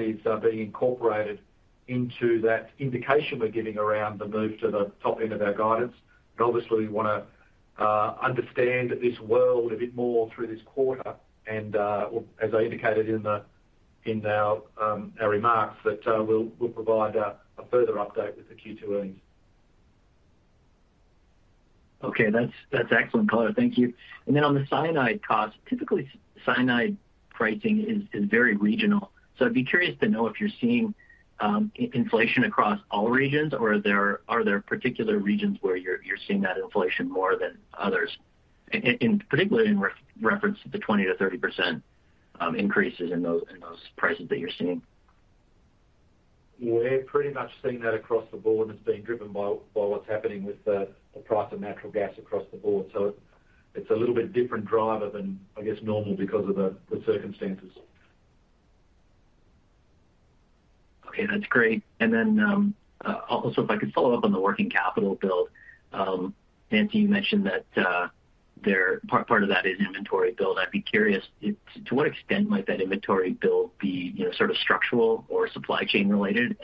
is being incorporated into that indication we are giving around the move to the top end of our guidance. Obviously we wanna understand this world a bit more through this quarter and or as I indicated in our remarks that we'll provide a further update with the Q2 earnings. Okay. That's excellent color. Thank you. On the cyanide cost, typically cyanide pricing is very regional. I'd be curious to know if you're seeing inflation across all regions or are there particular regions where you are seeing that inflation more than others? In particular, in reference to the 20%-30% increases in those prices that you're seeing. We're pretty much seeing that across the board, and it's being driven by what's happening with the price of natural gas across the board. It's a little bit different driver than, I guess, normal because of the circumstances. Okay, that's great. Then, also if I could follow up on the working capital build. Nancy, you mentioned that part of that is inventory build. I'd be curious to what extent might that inventory build be, you know, sort of structural or supply chain related?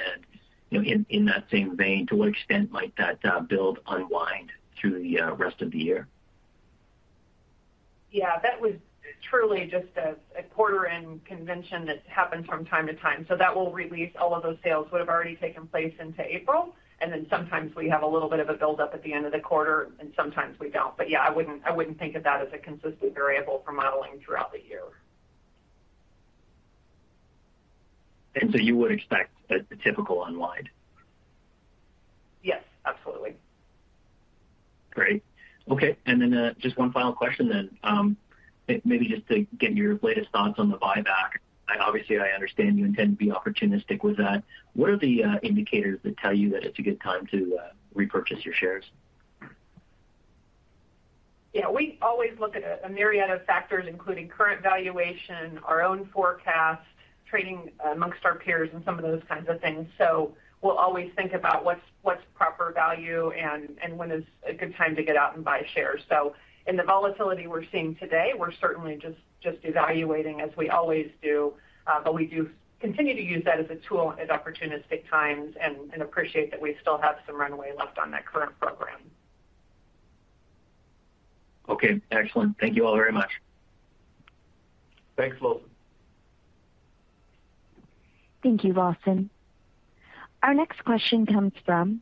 You know, in that same vein, to what extent might that build unwind through the rest of the year? Yeah, that was truly just a quarter-end convention that happens from time to time. That will release all of those sales that would have already taken place into April. Sometimes we have a little bit of a build up at the end of the quarter and sometimes we don't. Yeah, I wouldn't think of that as a consistent variable for modeling throughout the year. You would expect the typical unwind? Yes, absolutely. Great. Okay. Just one final question. Maybe just to get your latest thoughts on the buyback. Obviously, I understand you intend to be opportunistic with that. What are the indicators that tell you that it's a good time to repurchase your shares? Yeah, we always look at a myriad of factors, including current valuation, our own forecast, trading among our peers, and some of those kinds of things. We'll always think about what's proper value and when is a good time to get out and buy shares. In the volatility we're seeing today, we're certainly just evaluating as we always do. We do continue to use that as a tool at opportunistic times and appreciate that we still have some runway left on that current program. Okay, excellent. Thank you all very much. Thanks, Lawson. Thank you, Lawson. Our next question comes from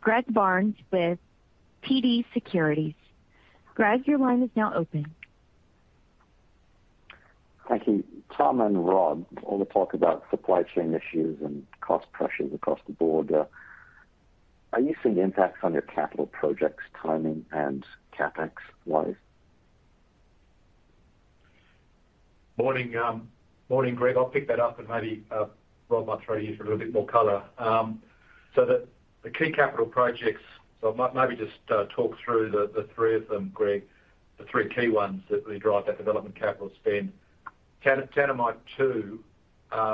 Greg Barnes with TD Securities. Greg, your line is now open. Thank you. Tom and Rob, all the talk about supply chain issues and cost pressures across the board. Are you seeing impacts on your capital projects timing and CapEx wise? Morning, Greg. I'll pick that up and maybe Rob might walk you through a bit more color. The key capital projects, I might maybe just talk through the three of them, Greg. The three key ones that really drive that development capital spend. Tanami Two,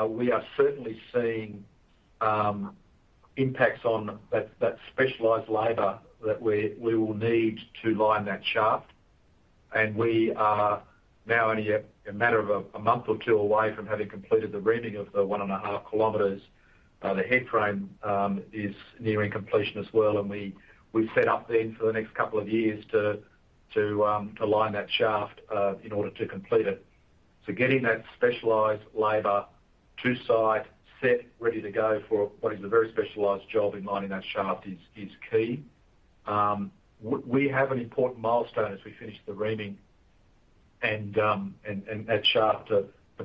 we are certainly seeing impacts on that specialized labor that we will need to line that shaft. We are now only a matter of a month or two away from having completed the reaming of the 1.5 km. The headframe is nearing completion as well, and we're set up then for the next couple of years to line that shaft in order to complete it. Getting that specialized labor to site, set, ready to go for what is a very specialized job in mining that shaft is key. We have an important milestone as we finish the reaming and that shaft to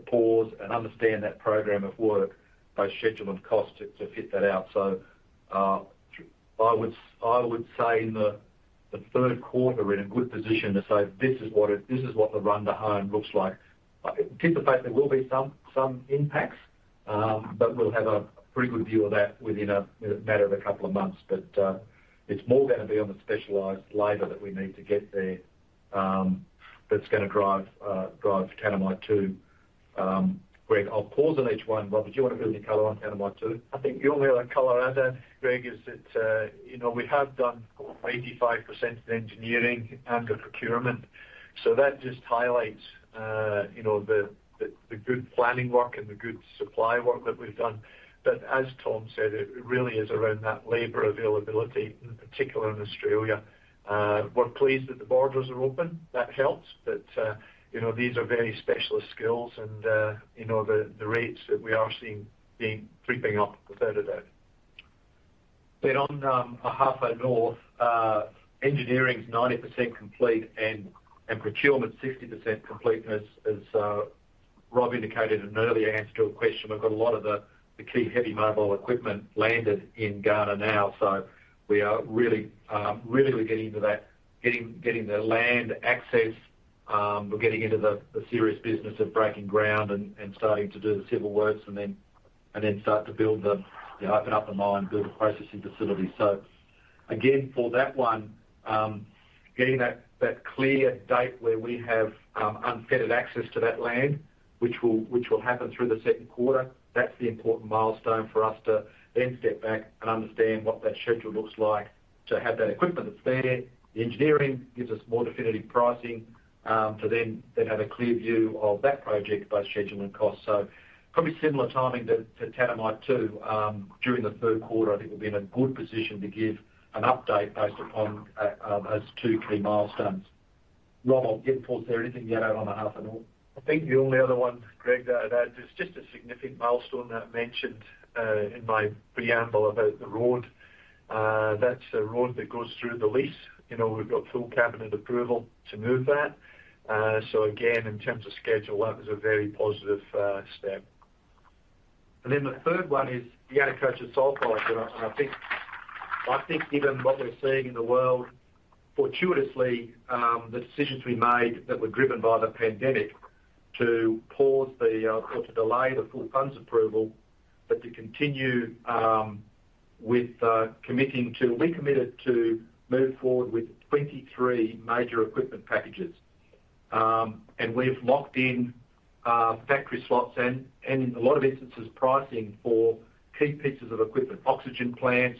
pause and understand that program of work, both schedule and cost, to hit that out. I would say in the Q3 we're in a good position to say, "This is what the run to home looks like." I think the fact there will be some impacts, but we'll have a pretty good view of that within a matter of a couple of months. It's more gonna be on the specialized labor that we need to get there, that's gonna drive Tanami too. Greg, I'll pause on each one. Rob, did you wanna give any color on Tanami too? I think the only other color I'd add, Greg, is that we have done 85% of the engineering and the procurement. That just highlights the good planning work and the good supply work that we've done. As Tom said, it really is around that labor availability, in particular in Australia. We're pleased that the borders are open. That helps. These are very specialist skills and the rates that we are seeing creeping up further than that. On Ahafo North, engineering's 90% complete and procurement's 60% complete. As Rob indicated in an earlier answer to a question, we've got a lot of the key heavy mobile equipment landed in Ghana now. We are really we're getting the land access. We're getting into the serious business of breaking ground and starting to do the civil works, and then start to build the, you know, open up the mine, build the processing facility. Again, for that one, getting that clear date where we have unfettered access to that land, which will happen through the Q2, that's the important milestone for us to then step back and understand what that schedule looks like to have that equipment that's there. The engineering gives us more definitive pricing to then have a clear view of that project, both scheduling and cost. Probably similar timing to Tanami too. During the Q3, I think we'll be in a good position to give an update based upon those two key milestones. Rob, I'll again pause there. Anything to add on Ahafo North? I think the only other one, Greg, that I'd add is just a significant milestone that I mentioned in my preamble about the road. That's a road that goes through the lease. You know, we've got full cabinet approval to move that. Again, in terms of schedule, that was a very positive step. Then the third one is the Yanacocha Sulfide. I think given what we're seeing in the world, fortuitously, the decisions we made that were driven by the pandemic to delay the full funding approval, but to continue committing to move forward with 23 major equipment packages. We've locked in factory slots and in a lot of instances, pricing for key pieces of equipment, oxygen plants,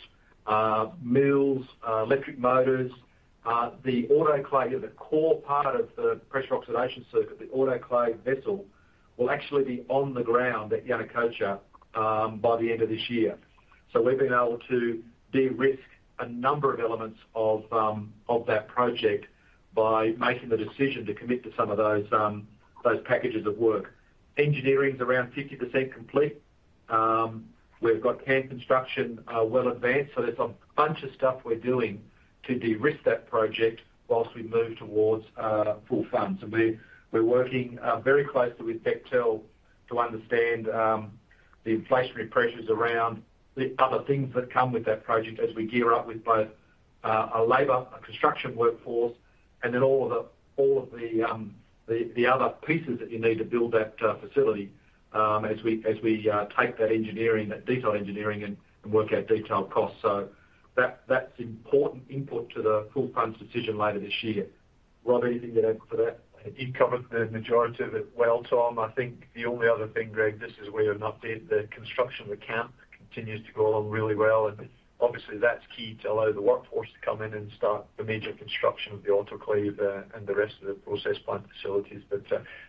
mills, electric motors. The autoclave, the core part of the pressure oxidation circuit, the autoclave vessel, will actually be on the ground at Yanacocha by the end of this year. We've been able to de-risk a number of elements of that project by making the decision to commit to some of those packages of work. Engineering's around 50% complete. We've got camp construction well advanced. There's a bunch of stuff we're doing to de-risk that project while we move toward full funds. We're working very closely with Bechtel to understand the inflationary pressures around the other things that come with that project as we gear up with both a labor construction workforce, and then all of the other pieces that you need to build that facility as we take that detailed engineering and work out detailed costs. That's important input to the full funds decision later this year. Rob, anything to add for that? You covered the majority of it well, Tom. I think the only other thing, Greg, just as a way of an update, the construction of the camp continues to go along really well. Obviously, that's key to allow the workforce to come in and start the major construction of the autoclave, and the rest of the process plant facilities.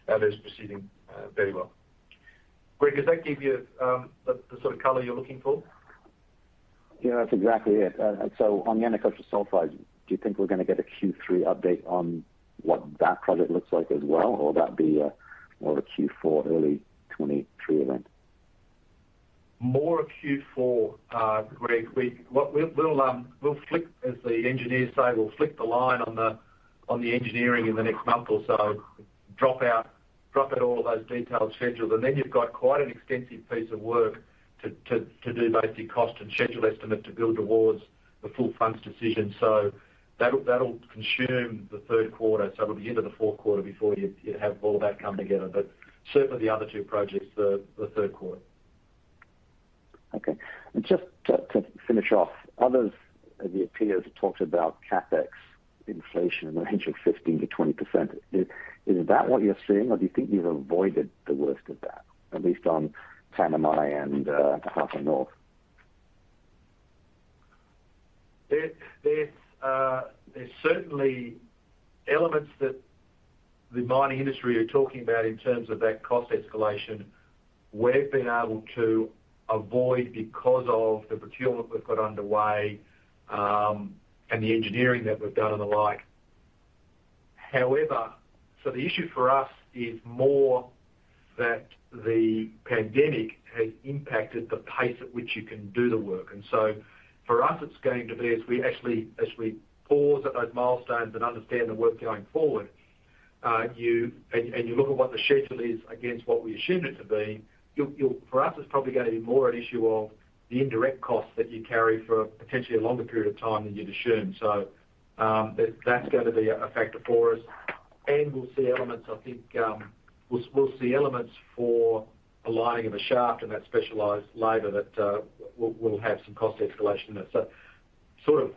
That is proceeding, very well. Greg, does that give you the sort of color you're looking for? Yeah, that's exactly it. On Yanacocha Sulfide, do you think we're gonna get a Q3 update on what that project looks like as well? Will that be more of a Q4, early 2023 event? More of a Q4, Greg. What we'll flip, as the engineers say, we'll flip the line on the engineering in the next month or so. Drop out all of those detailed schedules. Then you've got quite an extensive piece of work to do basic cost and schedule estimate to build towards the full funding decision. That'll consume the Q3. It'll be into the Q4 before you have all of that come together. Certainly the other two projects, the Q3. Okay. Just to finish off, others of your peers have talked about CapEx inflation in the range of 15%-20%. Is that what you're seeing or do you think you've avoided the worst of that, at least on Tanami and Ahafo North? There's certainly elements that the mining industry are talking about in terms of that cost escalation we've been able to avoid because of the procurement we've got underway, and the engineering that we've done and the like. However, the issue for us is more that the pandemic has impacted the pace at which you can do the work. For us, it's going to be as we pause at those milestones and understand the work going forward, and you look at what the schedule is against what we assumed it to be. It's probably gonna be more an issue of the indirect costs that you carry for potentially a longer period of time than you'd assumed. That's gonna be a factor for us. We'll see elements for the lining of a shaft and that specialized labor that will have some cost escalation in it. Sort of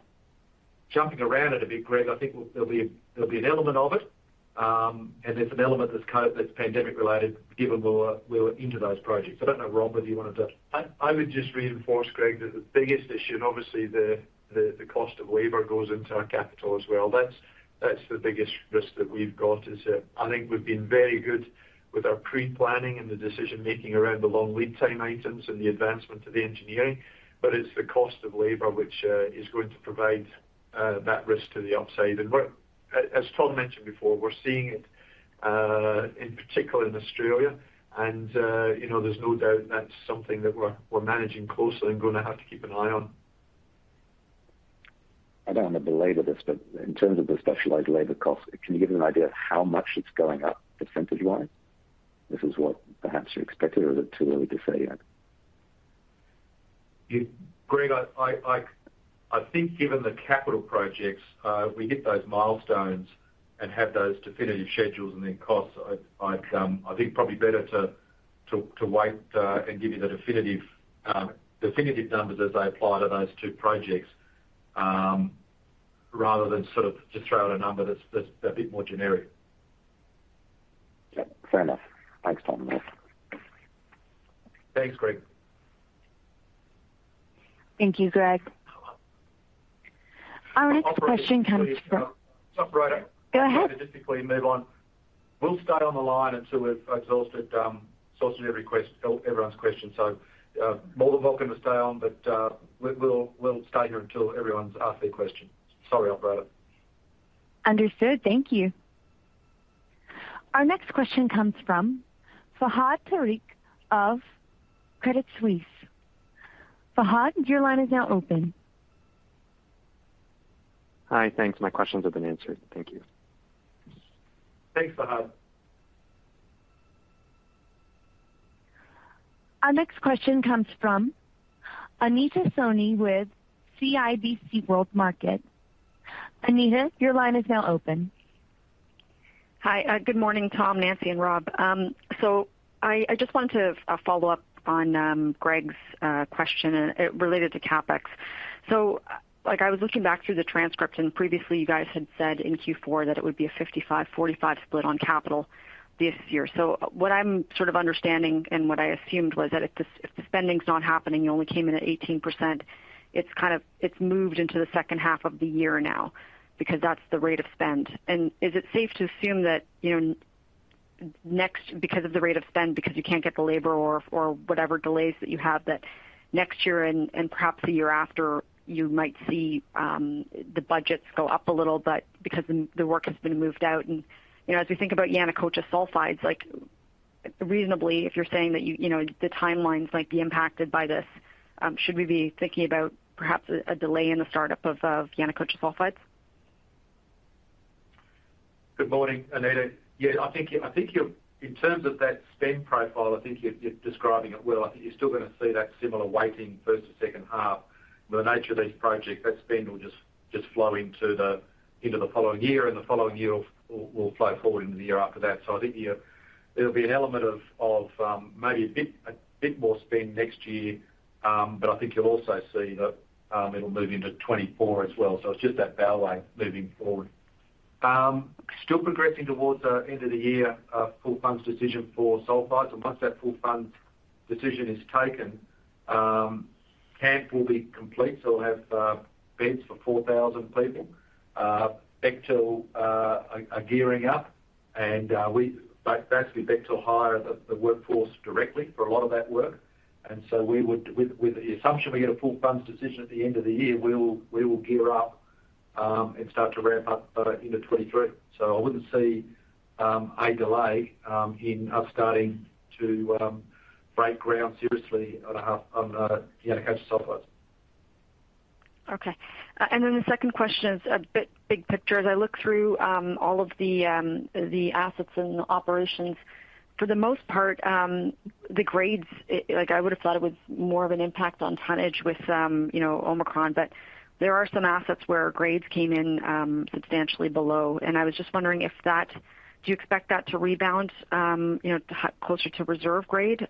jumping around it a bit, Greg, I think there'll be an element of it, and it's an element that's pandemic related, given we're into those projects. I don't know, Rob, whether you wanted to- I would just reinforce, Greg, that the biggest issue, and obviously the cost of labor goes into our capital as well. That's the biggest risk that we've got, is that I think we've been very good with our pre-planning and the decision making around the long lead time items and the advancement of the engineering. But it's the cost of labor which is going to provide that risk to the upside. As Tom mentioned before, we're seeing it in particular in Australia, you know, there's no doubt that's something that we're managing closely and gonna have to keep an eye on. I don't want to belabor this, but in terms of the specialized labor costs, can you give an idea of how much it's going up percentage-wise? This is what perhaps you expected, or is it too early to say yet? Greg, I think given the capital projects, we hit those milestones and have those definitive schedules and then costs. I think probably better to wait and give you the definitive numbers as they apply to those two projects, rather than sort of just throw out a number that's a bit more generic. Yeah, fair enough. Thanks, Tom. Thanks, Greg. Thank you, Greg. Our next question comes from- Operator, please. Go ahead. Just before you move on. We'll stay on the line until we've exhausted, sorted every everyone's questions. More than welcome to stay on, but we'll stay here until everyone's asked their question. Sorry, operator. Understood. Thank you. Our next question comes from Fahad Tariq of Credit Suisse. Fahad, your line is now open. Hi. Thanks. My questions have been answered. Thank you. Thanks, Fahad. Our next question comes from Anita Soni with CIBC World Markets. Anita, your line is now open. Hi. Good morning, Tom, Nancy, and Rob. I just wanted to follow up on Greg's question related to CapEx. Like I was looking back through the transcript, and previously you guys had said in Q4 that it would be a 55-45 split on capital this year. What I'm sort of understanding and what I assumed was that if the spending's not happening, you only came in at 18%. It's kind of moved into the second half of the year now because that's the rate of spend. Is it safe to assume that, you know, next, because of the rate of spend, because you can't get the labor or whatever delays that you have, that next year and perhaps the year after, you might see the budgets go up a little, but because the work has been moved out. You know, as we think about Yanacocha sulfides, like reasonably, if you're saying that you know, the timelines might be impacted by this, should we be thinking about perhaps a delay in the startup of Yanacocha sulfides? Good morning, Anita. Yeah, I think you're in terms of that spend profile, I think you're describing it well. I think you're still gonna see that similar weighting first to second half. The nature of these projects, that spend will just flow into the following year, and the following year will flow forward into the year after that. I think there'll be an element of maybe a bit more spend next year. But I think you'll also see that, it'll move into 2024 as well. It's just that bell curve moving forward. Still progressing towards the end of the year, full funding decision for sulfides. Once that full funding decision is taken, camp will be complete. We'll have beds for 4,000 people. Bechtel are gearing up and basically Bechtel hire the workforce directly for a lot of that work. We would, with the assumption we get a full funding decision at the end of the year, gear up and start to ramp up into 2023. I wouldn't see a delay in us starting to break ground seriously on Yanacocha sulfides. The second question is a bit big picture. As I look through all of the assets and the operations, for the most part, the grades, like I would have thought it was more of an impact on tonnage with, you know, Omicron, but there are some assets where grades came in substantially below. I was just wondering if you expect that to rebound, you know, closer to reserve grade,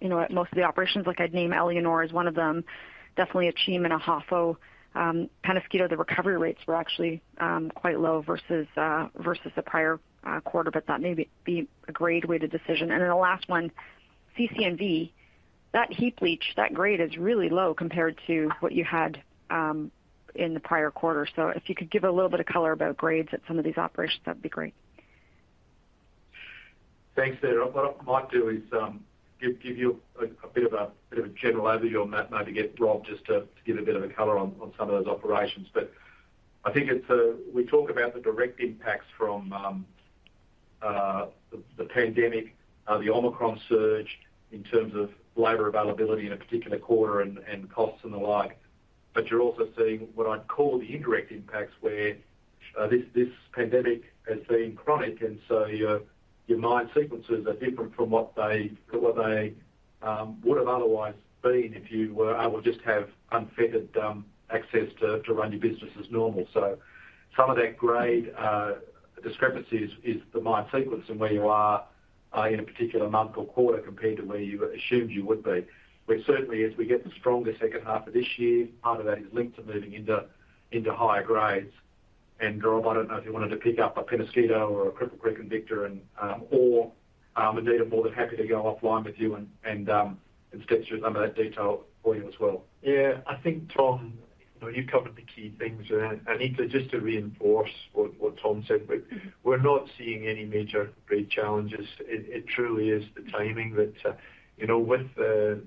you know, at most of the operations. Like I'd name Éléonore as one of them, definitely Akyem and Ahafo. Peñasquito, the recovery rates were actually quite low versus the prior quarter, but that may be a grade-weighted decision. Then the last one, CC&V. That heap leach, that grade is really low compared to what you had in the prior quarter. If you could give a little bit of color about grades at some of these operations, that'd be great. Thanks, Anita. What I might do is give you a bit of a general overview on that and maybe get Rob just to give a bit of a color on some of those operations. I think it's we talk about the direct impacts from the pandemic, the Omicron surge in terms of labor availability in a particular quarter and costs and the like. You're also seeing what I'd call the indirect impacts, where this pandemic has been chronic, and so your mine sequences are different from what they would have otherwise been if you were able to just have unfettered access to run your business as normal. Some of that grade discrepancies is the mine sequence and where you are in a particular month or quarter compared to where you assumed you would be. We're certainly as we get the stronger second half of this year, part of that is linked to moving into higher grades. Rob, I don't know if you wanted to pick up a Peñasquito or a Cripple Creek & Victor. Anita, I'm more than happy to go offline with you and get you some of that detail for you as well. Yeah. I think, Tom, you know, you've covered the key things. Anita, just to reinforce what Tom said, we're not seeing any major grade challenges. It truly is the timing that, you know, with the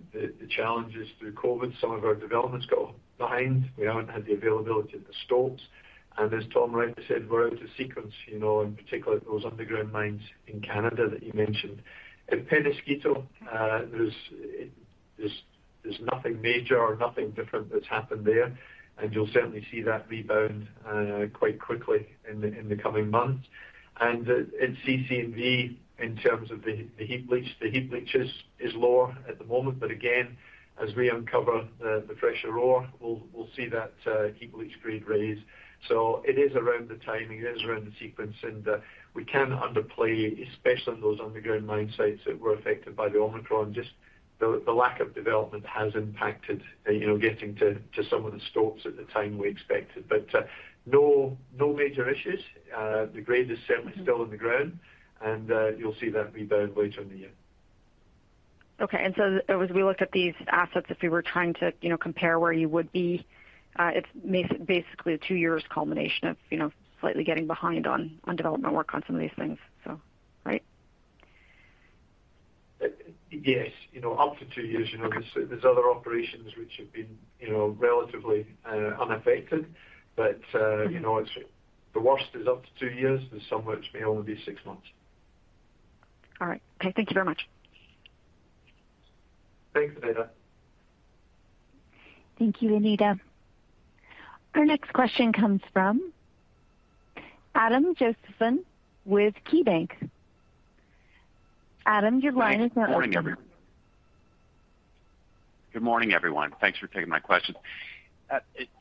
challenges through COVID, some of our developments got behind. We haven't had the availability of the stops. As Tom rightly said, we're out of sequence, you know, in particular at those underground mines in Canada that you mentioned. At Peñasquito, there's nothing major or nothing different that's happened there, and you'll certainly see that rebound quite quickly in the coming months. At CC&V, in terms of the heap leach, the heap leach is lower at the moment, but again, as we uncover the fresher ore, we'll see that heap leach grade raise. It is around the timing, it is around the sequence, and we can underplay, especially on those underground mine sites that were affected by the Omicron, just the lack of development has impacted, you know, getting to some of the stops at the time we expected. No major issues. The grade is certainly still in the ground, and you'll see that rebound later in the year. Okay. As we looked at these assets, if we were trying to, you know, compare where you would be, it's basically a two years culmination of, you know, slightly getting behind on development work on some of these things. Right? Yes. You know, up to 2 years. You know, there's other operations which have been, you know, relatively unaffected. You know, it's the worst is up to 2 years. There's some which may only be 6 months. All right. Okay, thank you very much. Thanks, Anita. Thank you, Anita. Our next question comes from Adam Josephson with KeyBanc. Adam, your line is now open. Good morning, everyone. Thanks for taking my questions.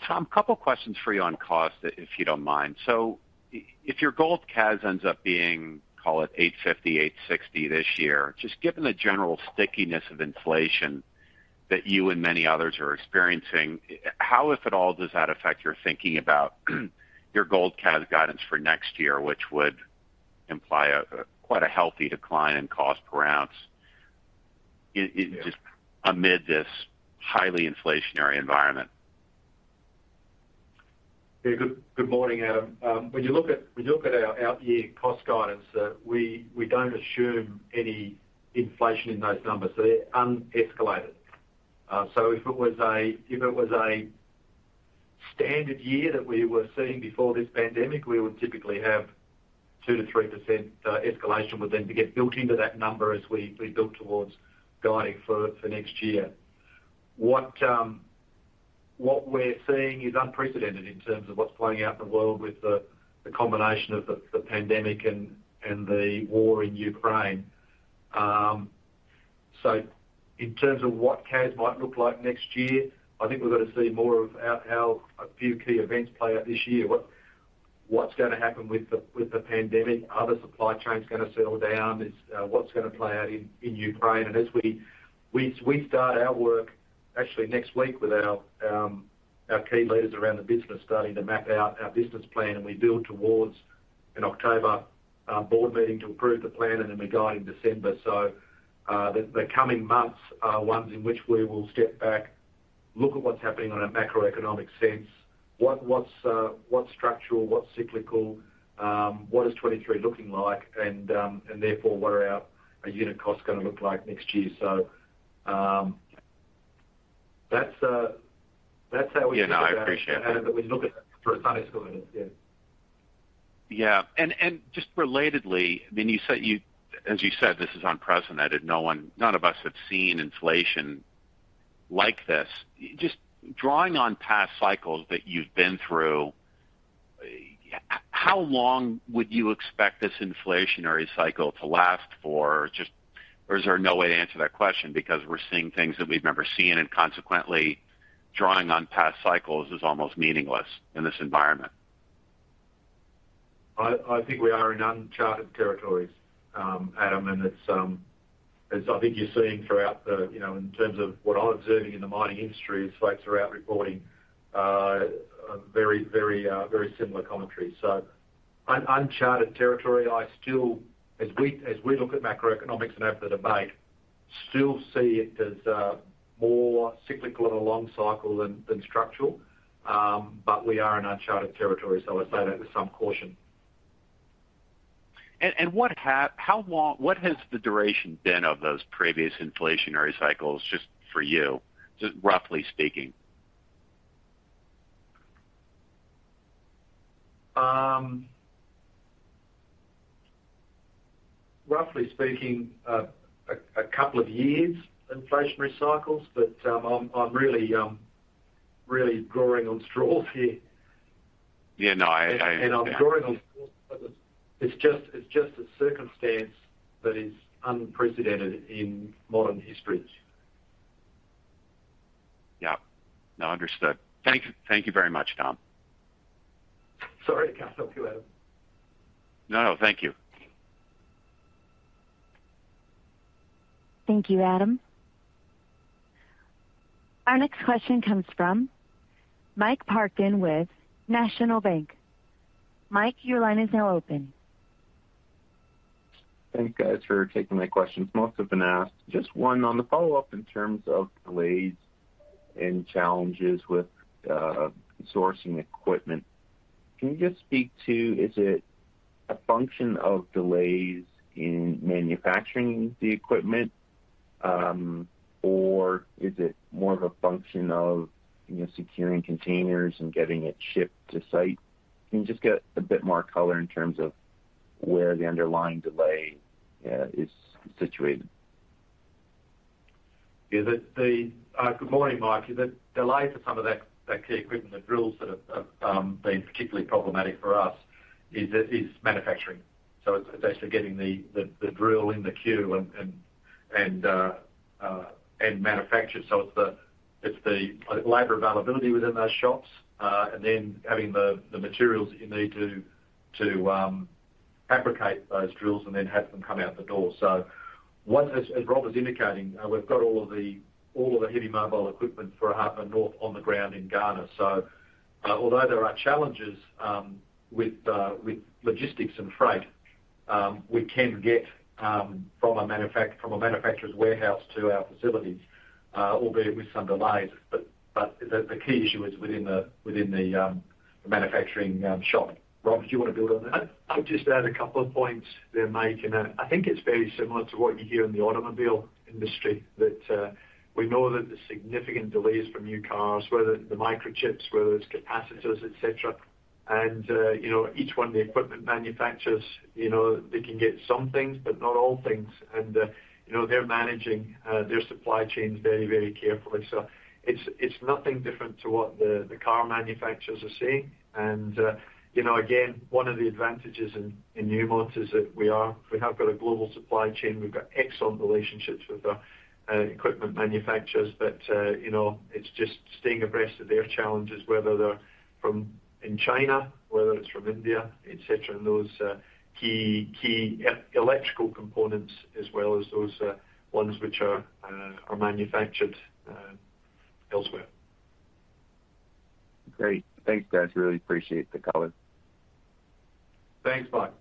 Tom, a couple questions for you on cost, if you don't mind. If your gold CAS ends up being, call it $850-$860 this year, just given the general stickiness of inflation that you and many others are experiencing, how, if at all, does that affect your thinking about your gold CAS guidance for next year, which would imply quite a healthy decline in cost per ounce? It just- Yeah. Amid this highly inflationary environment. Good morning, Adam. When you look at our out year cost guidance, we don't assume any inflation in those numbers. So they're unescalated. If it was a standard year that we were seeing before this pandemic, we would typically have 2%-3% escalation would then get built into that number as we build towards guiding for next year. What we're seeing is unprecedented in terms of what's playing out in the world with the combination of the pandemic and the war in Ukraine. In terms of what CAS might look like next year, I think we've got to see more about how a few key events play out this year. What's gonna happen with the pandemic? Are the supply chains gonna settle down? Is what's gonna play out in Ukraine? As we start our work actually next week with our key leaders around the business, starting to map out our business plan, and we build towards an October board meeting to approve the plan and then we guide in December. The coming months are ones in which we will step back, look at what's happening on a macroeconomic sense, what's structural, what's cyclical, what is 2023 looking like? Therefore, what are our unit costs gonna look like next year. That's how we think about it. Yeah. No, I appreciate that. How we look at it through a sustainability lens. Yeah. Yeah. Just relatedly, I mean, as you said, this is unprecedented. No one, none of us have seen inflation like this. Just drawing on past cycles that you've been through, how long would you expect this inflationary cycle to last for? Or is there no way to answer that question because we're seeing things that we've never seen, and consequently, drawing on past cycles is almost meaningless in this environment. I think we are in uncharted territories, Adam, and it's as I think you're seeing throughout, you know, in terms of what I'm observing in the mining industry is folks are out reporting very similar commentary. Uncharted territory. I still, as we look at macroeconomics and have the debate, still see it as more cyclical and a long cycle than structural. We are in uncharted territory, so I say that with some caution. What has the duration been of those previous inflationary cycles just for you? Just roughly speaking. Roughly speaking, a couple of years inflationary cycles. I'm really drawing on straws here. Yeah, no, I- It's just a circumstance that is unprecedented in modern history. Yeah. No, understood. Thank you, thank you very much, Tom. Sorry I can't help you, Adam. No, thank you. Thank you, Adam. Our next question comes from Mike Parkin with National Bank. Mike, your line is now open. Thank you guys for taking my questions. Most have been asked. Just one on the follow-up in terms of delays and challenges with sourcing equipment. Can you just speak to, is it a function of delays in manufacturing the equipment, or is it more of a function of, you know, securing containers and getting it shipped to site? Can you just give a bit more color in terms of where the underlying delay is situated? Good morning, Mike. The delay to some of that key equipment, the drills that have been particularly problematic for us is manufacturing. It's actually getting the drill in the queue and manufactured. It's the labor availability within those shops and then having the materials that you need to fabricate those drills and then have them come out the door. Once, as Rob was indicating, we've got all of the heavy mobile equipment for Ahafo North on the ground in Ghana. Although there are challenges with logistics and freight, we can get from a manufacturer's warehouse to our facilities, albeit with some delays. The key issue is within the manufacturing shop. Rob, do you want to build on that? I'd just add a couple of points there, Mike. I think it's very similar to what you hear in the automobile industry. We know that there's significant delays for new cars, whether it's the microchips, whether it's capacitors, et cetera. You know, each one of the equipment manufacturers, you know, they can get some things, but not all things. You know, they're managing their supply chains very, very carefully. It's nothing different to what the car manufacturers are seeing. You know, again, one of the advantages in Newmont is that we have got a global supply chain. We've got excellent relationships with our equipment manufacturers. You know, it's just staying abreast of their challenges, whether they're from China, whether it's from India, et cetera. Those key electrical components as well as those ones which are manufactured elsewhere. Great. Thanks, guys. Really appreciate the color. Thanks, Mike.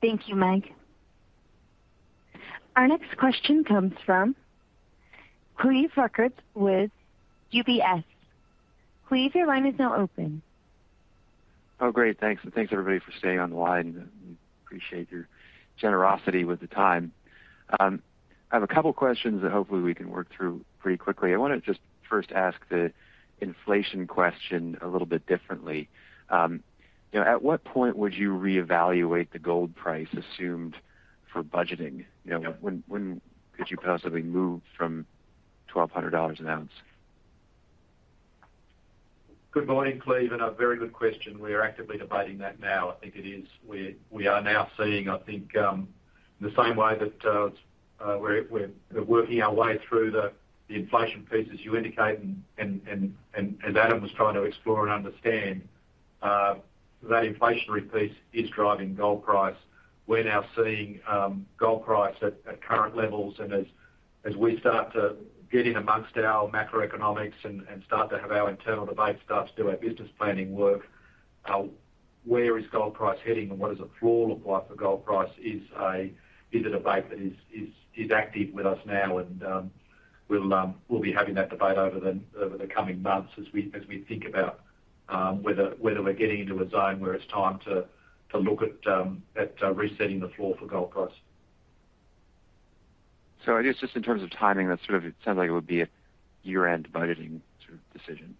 Thank you, Mike. Our next question comes from Cleve Rueckert with UBS. Cleve, your line is now open. Oh, great. Thanks, and thanks, everybody, for staying on the line. We appreciate your generosity with the time. I have a couple questions that hopefully we can work through pretty quickly. I wanna just first ask the inflation question a little bit differently. You know, at what point would you reevaluate the gold price assumed for budgeting? Yeah. When could you possibly move from $1,200 an ounce? Good morning, Cleve, and a very good question. We are actively debating that now. I think it is, we are now seeing, I think, the same way that, we're working our way through the inflation pieces you indicate and Adam was trying to explore and understand, that inflationary piece is driving gold price. We're now seeing gold price at current levels. As we start to get in amongst our macroeconomics and start to have our internal debate, start to do our business planning work, where is gold price heading and what does the floor look like for gold price is a debate that is active with us now. We'll be having that debate over the coming months as we think about whether we're getting into a zone where it's time to look at resetting the floor for gold price. I guess just in terms of timing, that sort of sounds like it would be a year-end budgeting sort of decision.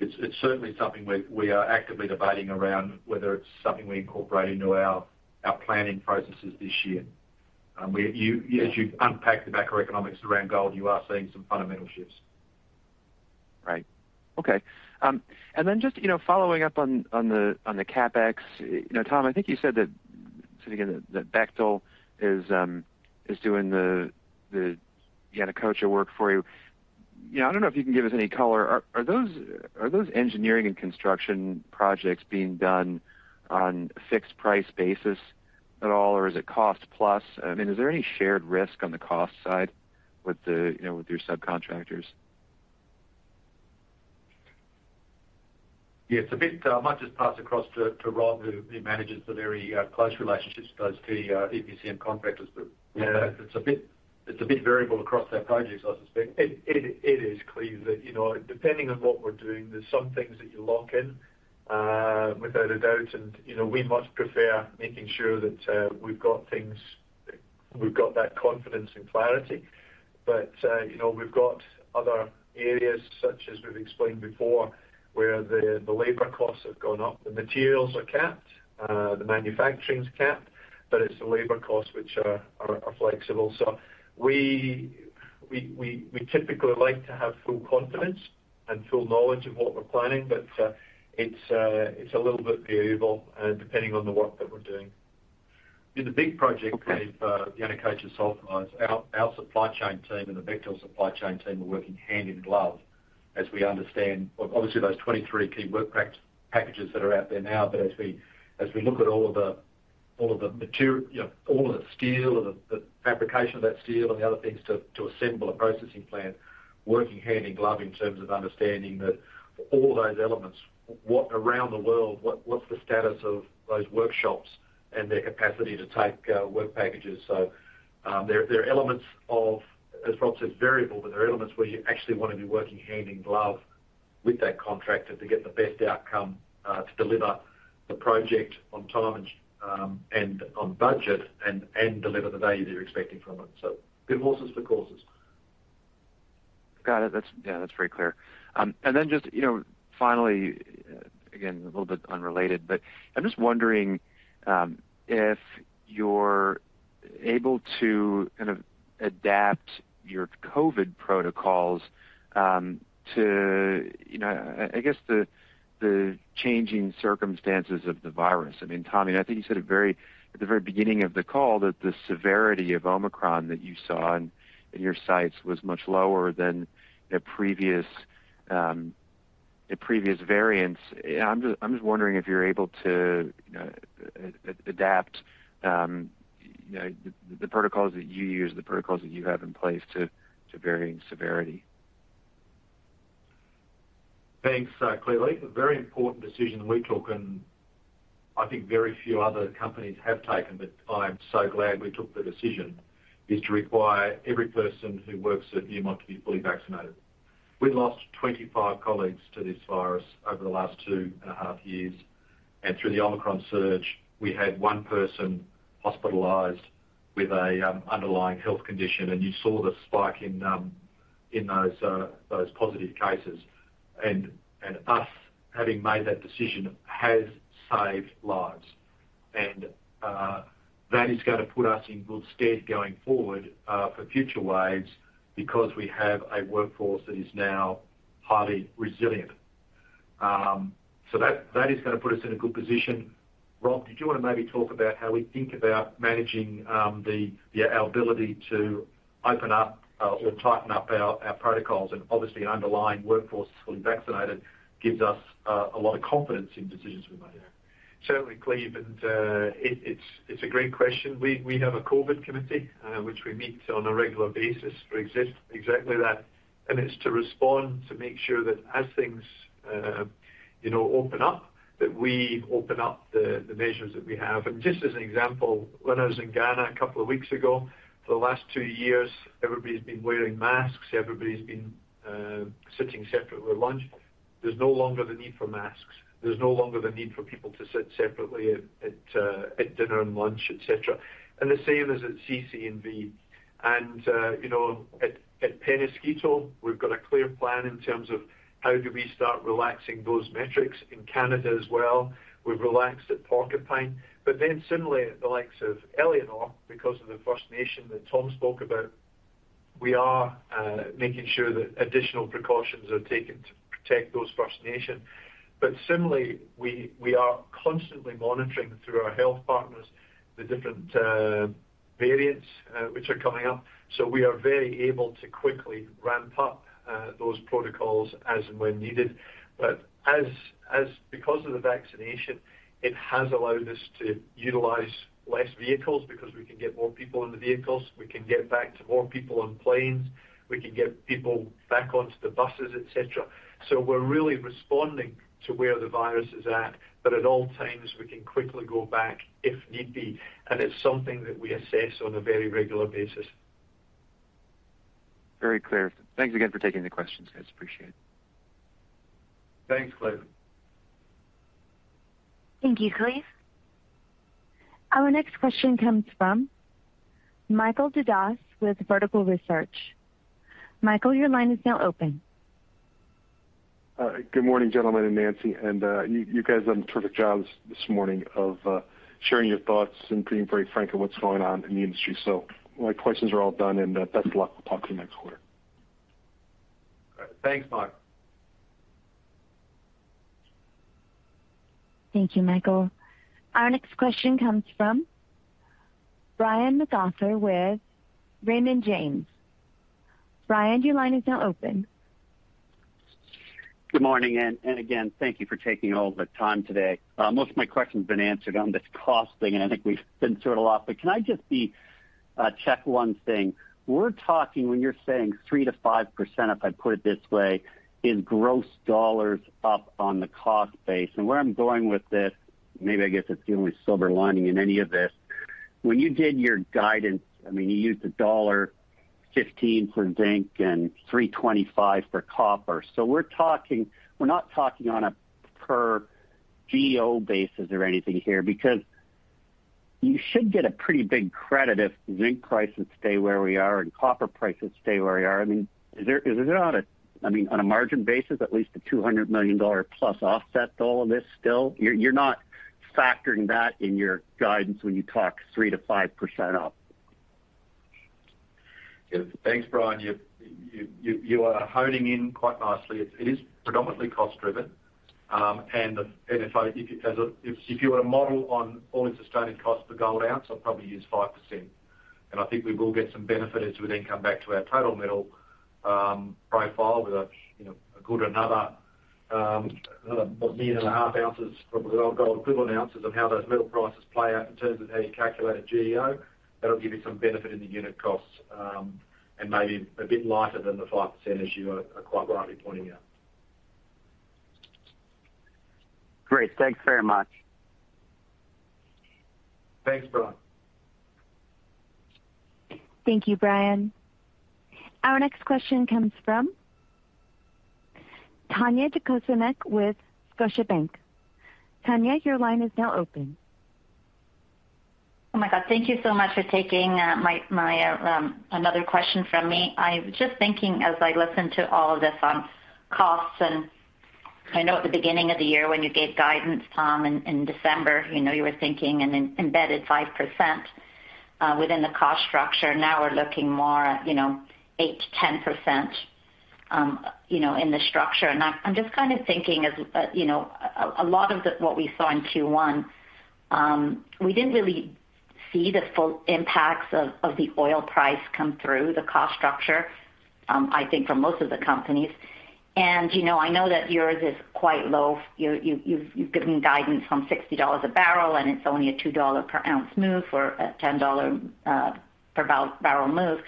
It's certainly something we are actively debating around, whether it's something we incorporate into our planning processes this year. As you unpack the macroeconomics around gold, you are seeing some fundamental shifts. Right. Okay. Just, you know, following up on the CapEx. You know, Tom, I think you said that, say it again, that Bechtel is doing the Yanacocha work for you. You know, I don't know if you can give us any color. Are those engineering and construction projects being done on a fixed price basis at all, or is it cost plus? I mean, is there any shared risk on the cost side with your subcontractors? Yeah, it's a bit. I might just pass across to Rob, who manages the very close relationships with those two EPCM contractors. Yeah, it's a bit variable across our projects, I suspect. It is, Cleve. You know, depending on what we're doing, there's some things that you lock in without a doubt. You know, we much prefer making sure that we've got that confidence and clarity. You know, we've got other areas, such as we've explained before, where the labor costs have gone up, the materials are capped, the manufacturing's capped, but it's the labor costs which are flexible. We typically like to have full confidence and full knowledge of what we're planning, but it's a little bit variable depending on the work that we're doing. In the big project, Cleve, Yanacocha Sulfides, our supply chain team and the Bechtel supply chain team are working hand in glove as we understand, obviously, those 23 key work packages that are out there now. But as we look at all of the, you know, all of the steel and the fabrication of that steel and the other things to assemble a processing plant, working hand in glove in terms of understanding that all those elements around the world, what's the status of those workshops and their capacity to take work packages. There are elements of, as Rob says, variable, but there are elements where you actually want to be working hand in glove with that contractor to get the best outcome, to deliver the project on time and on budget and deliver the value they're expecting from it. Good horses for courses. Got it. That's, yeah, that's very clear. And then just, you know, finally, again, a little bit unrelated, but I'm just wondering if you're able to kind of adapt your COVID protocols to, you know, I guess the changing circumstances of the virus. I mean, Tom, I think you said it at the very beginning of the call that the severity of Omicron that you saw in your sites was much lower than the previous variants. I'm just wondering if you're able to, you know, adapt the protocols that you have in place to varying severity. Thanks, Cleve. A very important decision we took, and I think very few other companies have taken, but I am so glad we took the decision, is to require every person who works at Newmont to be fully vaccinated. We've lost 25 colleagues to this virus over the last two and a half years. Through the Omicron surge, we had one person hospitalized with an underlying health condition. You saw the spike in those positive cases. Us having made that decision has saved lives. That is gonna put us in good stead going forward for future waves because we have a workforce that is now highly resilient. That is gonna put us in a good position. Rob, did you wanna maybe talk about how we think about managing our ability to open up or tighten up our protocols? Obviously, an underlying workforce fully vaccinated gives us a lot of confidence in decisions we make. Certainly, Cleve. It's a great question. We have a COVID committee, which we meet on a regular basis for exactly that. It's to respond to make sure that as things, you know, open up, that we open up the measures that we have. Just as an example, when I was in Ghana a couple of weeks ago, for the last two years, everybody's been wearing masks, everybody's been sitting separately at lunch. There's no longer the need for masks. There's no longer the need for people to sit separately at dinner and lunch, et cetera. The same as at CC&V. You know, at Peñasquito, we've got a clear plan in terms of how we start relaxing those metrics. In Canada as well, we've relaxed at Porcupine. Similarly, at the likes of Éléonore, because of the First Nation that Tom spoke about, we are making sure that additional precautions are taken to protect those First Nation. Similarly, we are constantly monitoring through our health partners the different variants which are coming up. We are very able to quickly ramp up those protocols as and when needed. Because of the vaccination, it has allowed us to utilize less vehicles because we can get more people in the vehicles, we can get back to more people on planes, we can get people back onto the buses, et cetera. We're really responding to where the virus is at, but at all times, we can quickly go back if need be. It's something that we assess on a very regular basis. Very clear. Thanks again for taking the questions, guys. Appreciate it. Thanks, Cleve. Thank you, Cleve. Our next question comes from Michael Dudas with Vertical Research. Michael, your line is now open. Good morning, gentlemen and Nancy. You guys have done a terrific job this morning of sharing your thoughts and being very frank on what's going on in the industry. My questions are all done, and best of luck. We'll talk to you next quarter. All right. Thanks, Mike. Thank you, Michael. Our next question comes from Brian MacArthur with Raymond James. Brian, your line is now open. Good morning, and again, thank you for taking all of the time today. Most of my questions have been answered on this costing, and I think we've been through it a lot. Can I just check one thing? We're talking when you're saying 3%-5%, if I put it this way, is gross dollars up on the cost base. Where I'm going with this, maybe I guess it's the only silver lining in any of this. When you did your guidance, I mean, you used $1.15 for zinc and $3.25 for copper. So we're not talking on a perGEO basis or anything here? Because you should get a pretty big credit if zinc prices stay where we are and copper prices stay where we are. I mean, is there not a, I mean, on a margin basis, at least a $200 million plus offset to all of this still? You're not factoring that in your guidance when you talk 3%-5% up. Yes. Thanks, Brian. You are honing in quite nicely. It's predominantly cost driven. If you were to model on all-in sustaining costs per gold ounce, I'd probably use 5%. I think we will get some benefit as we then come back to our total metal profile with another 1.5 million ounces of gold equivalent ounces of how those metal prices play out in terms of how you calculate a GEO. That'll give you some benefit in the unit costs, and maybe a bit lighter than the 5% as you are quite rightly pointing out. Great. Thanks very much. Thanks, Brian. Thank you, Brian. Our next question comes from Tanya Jakusconek with Scotiabank. Tanya, your line is now open. Oh my God, thank you so much for taking another question from me. I'm just thinking as I listen to all of this on costs, and I know at the beginning of the year when you gave guidance, Tom, in December, you know, you were thinking an embedded 5% within the cost structure. Now we're looking more at, you know, 8%-10%, you know, in the structure. I'm just kind of thinking as, you know, a lot of what we saw in Q1, we didn't really see the full impacts of the oil price come through the cost structure, I think for most of the companies. You know, I know that yours is quite low. You've given guidance from $60 a barrel, and it's only a $2 per ounce move or a $10 per barrel move.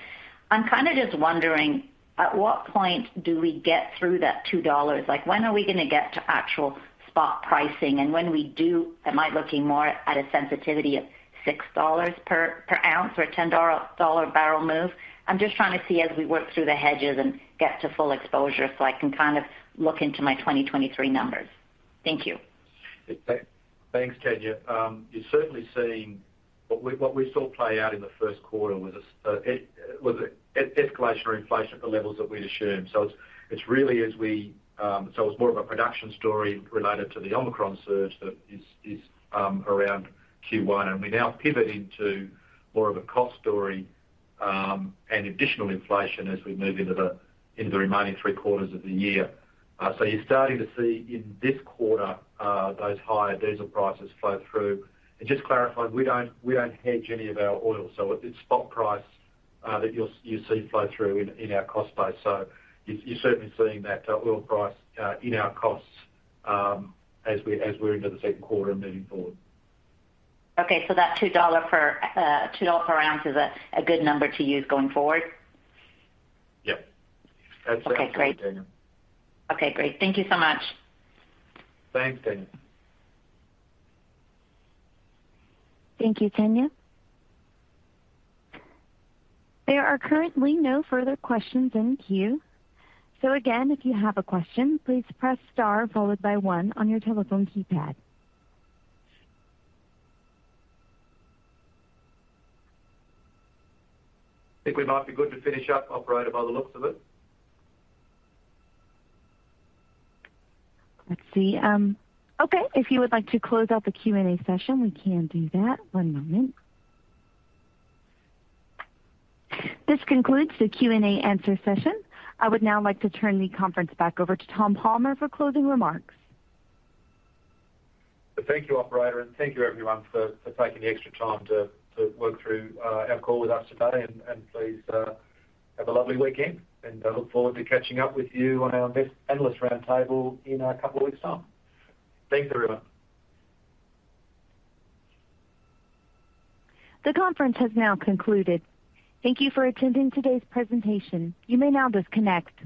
I'm kinda just wondering at what point do we get through that $2? Like, when are we gonna get to actual spot pricing? When we do, am I looking more at a sensitivity of $6 per ounce or a $10 per barrel move? I'm just trying to see as we work through the hedges and get to full exposure, so I can kind of look into my 2023 numbers. Thank you. Yeah. Thanks, Tanya. You're certainly seeing what we saw play out in the Q1 was an escalation of inflation at the levels that we'd assumed. It's really as we. It was more of a production story related to the Omicron surge that is around Q1. We now pivot into more of a cost story and additional inflation as we move into the remaining three quarters of the year. You're starting to see in this quarter those higher diesel prices flow through. Just to clarify, we don't hedge any of our oil, so it's spot price that you'll see flow through in our cost base. You, you're certainly seeing that oil price in our costs as we're into the Q2 and moving forward. That $2 per ounce is a good number to use going forward? Yep. That's absolutely. Okay, great. -Tanya. Okay, great. Thank you so much. Thanks, Tanya. Thank you, Tanya. There are currently no further questions in the queue. Again, if you have a question, please press star followed by one on your telephone keypad. I think we might be good to finish up, operator, by the looks of it. Let's see. Okay. If you would like to close out the Q&A session, we can do that. One moment. This concludes the Q&A session. I would now like to turn the conference back over to Tom Palmer for closing remarks. Thank you, operator, and thank you everyone for taking the extra time to work through our call with us today. Please have a lovely weekend, and I look forward to catching up with you on our next analyst roundtable in a couple of weeks' time. Thanks, everyone. The conference has now concluded. Thank you for attending today's presentation. You may now disconnect.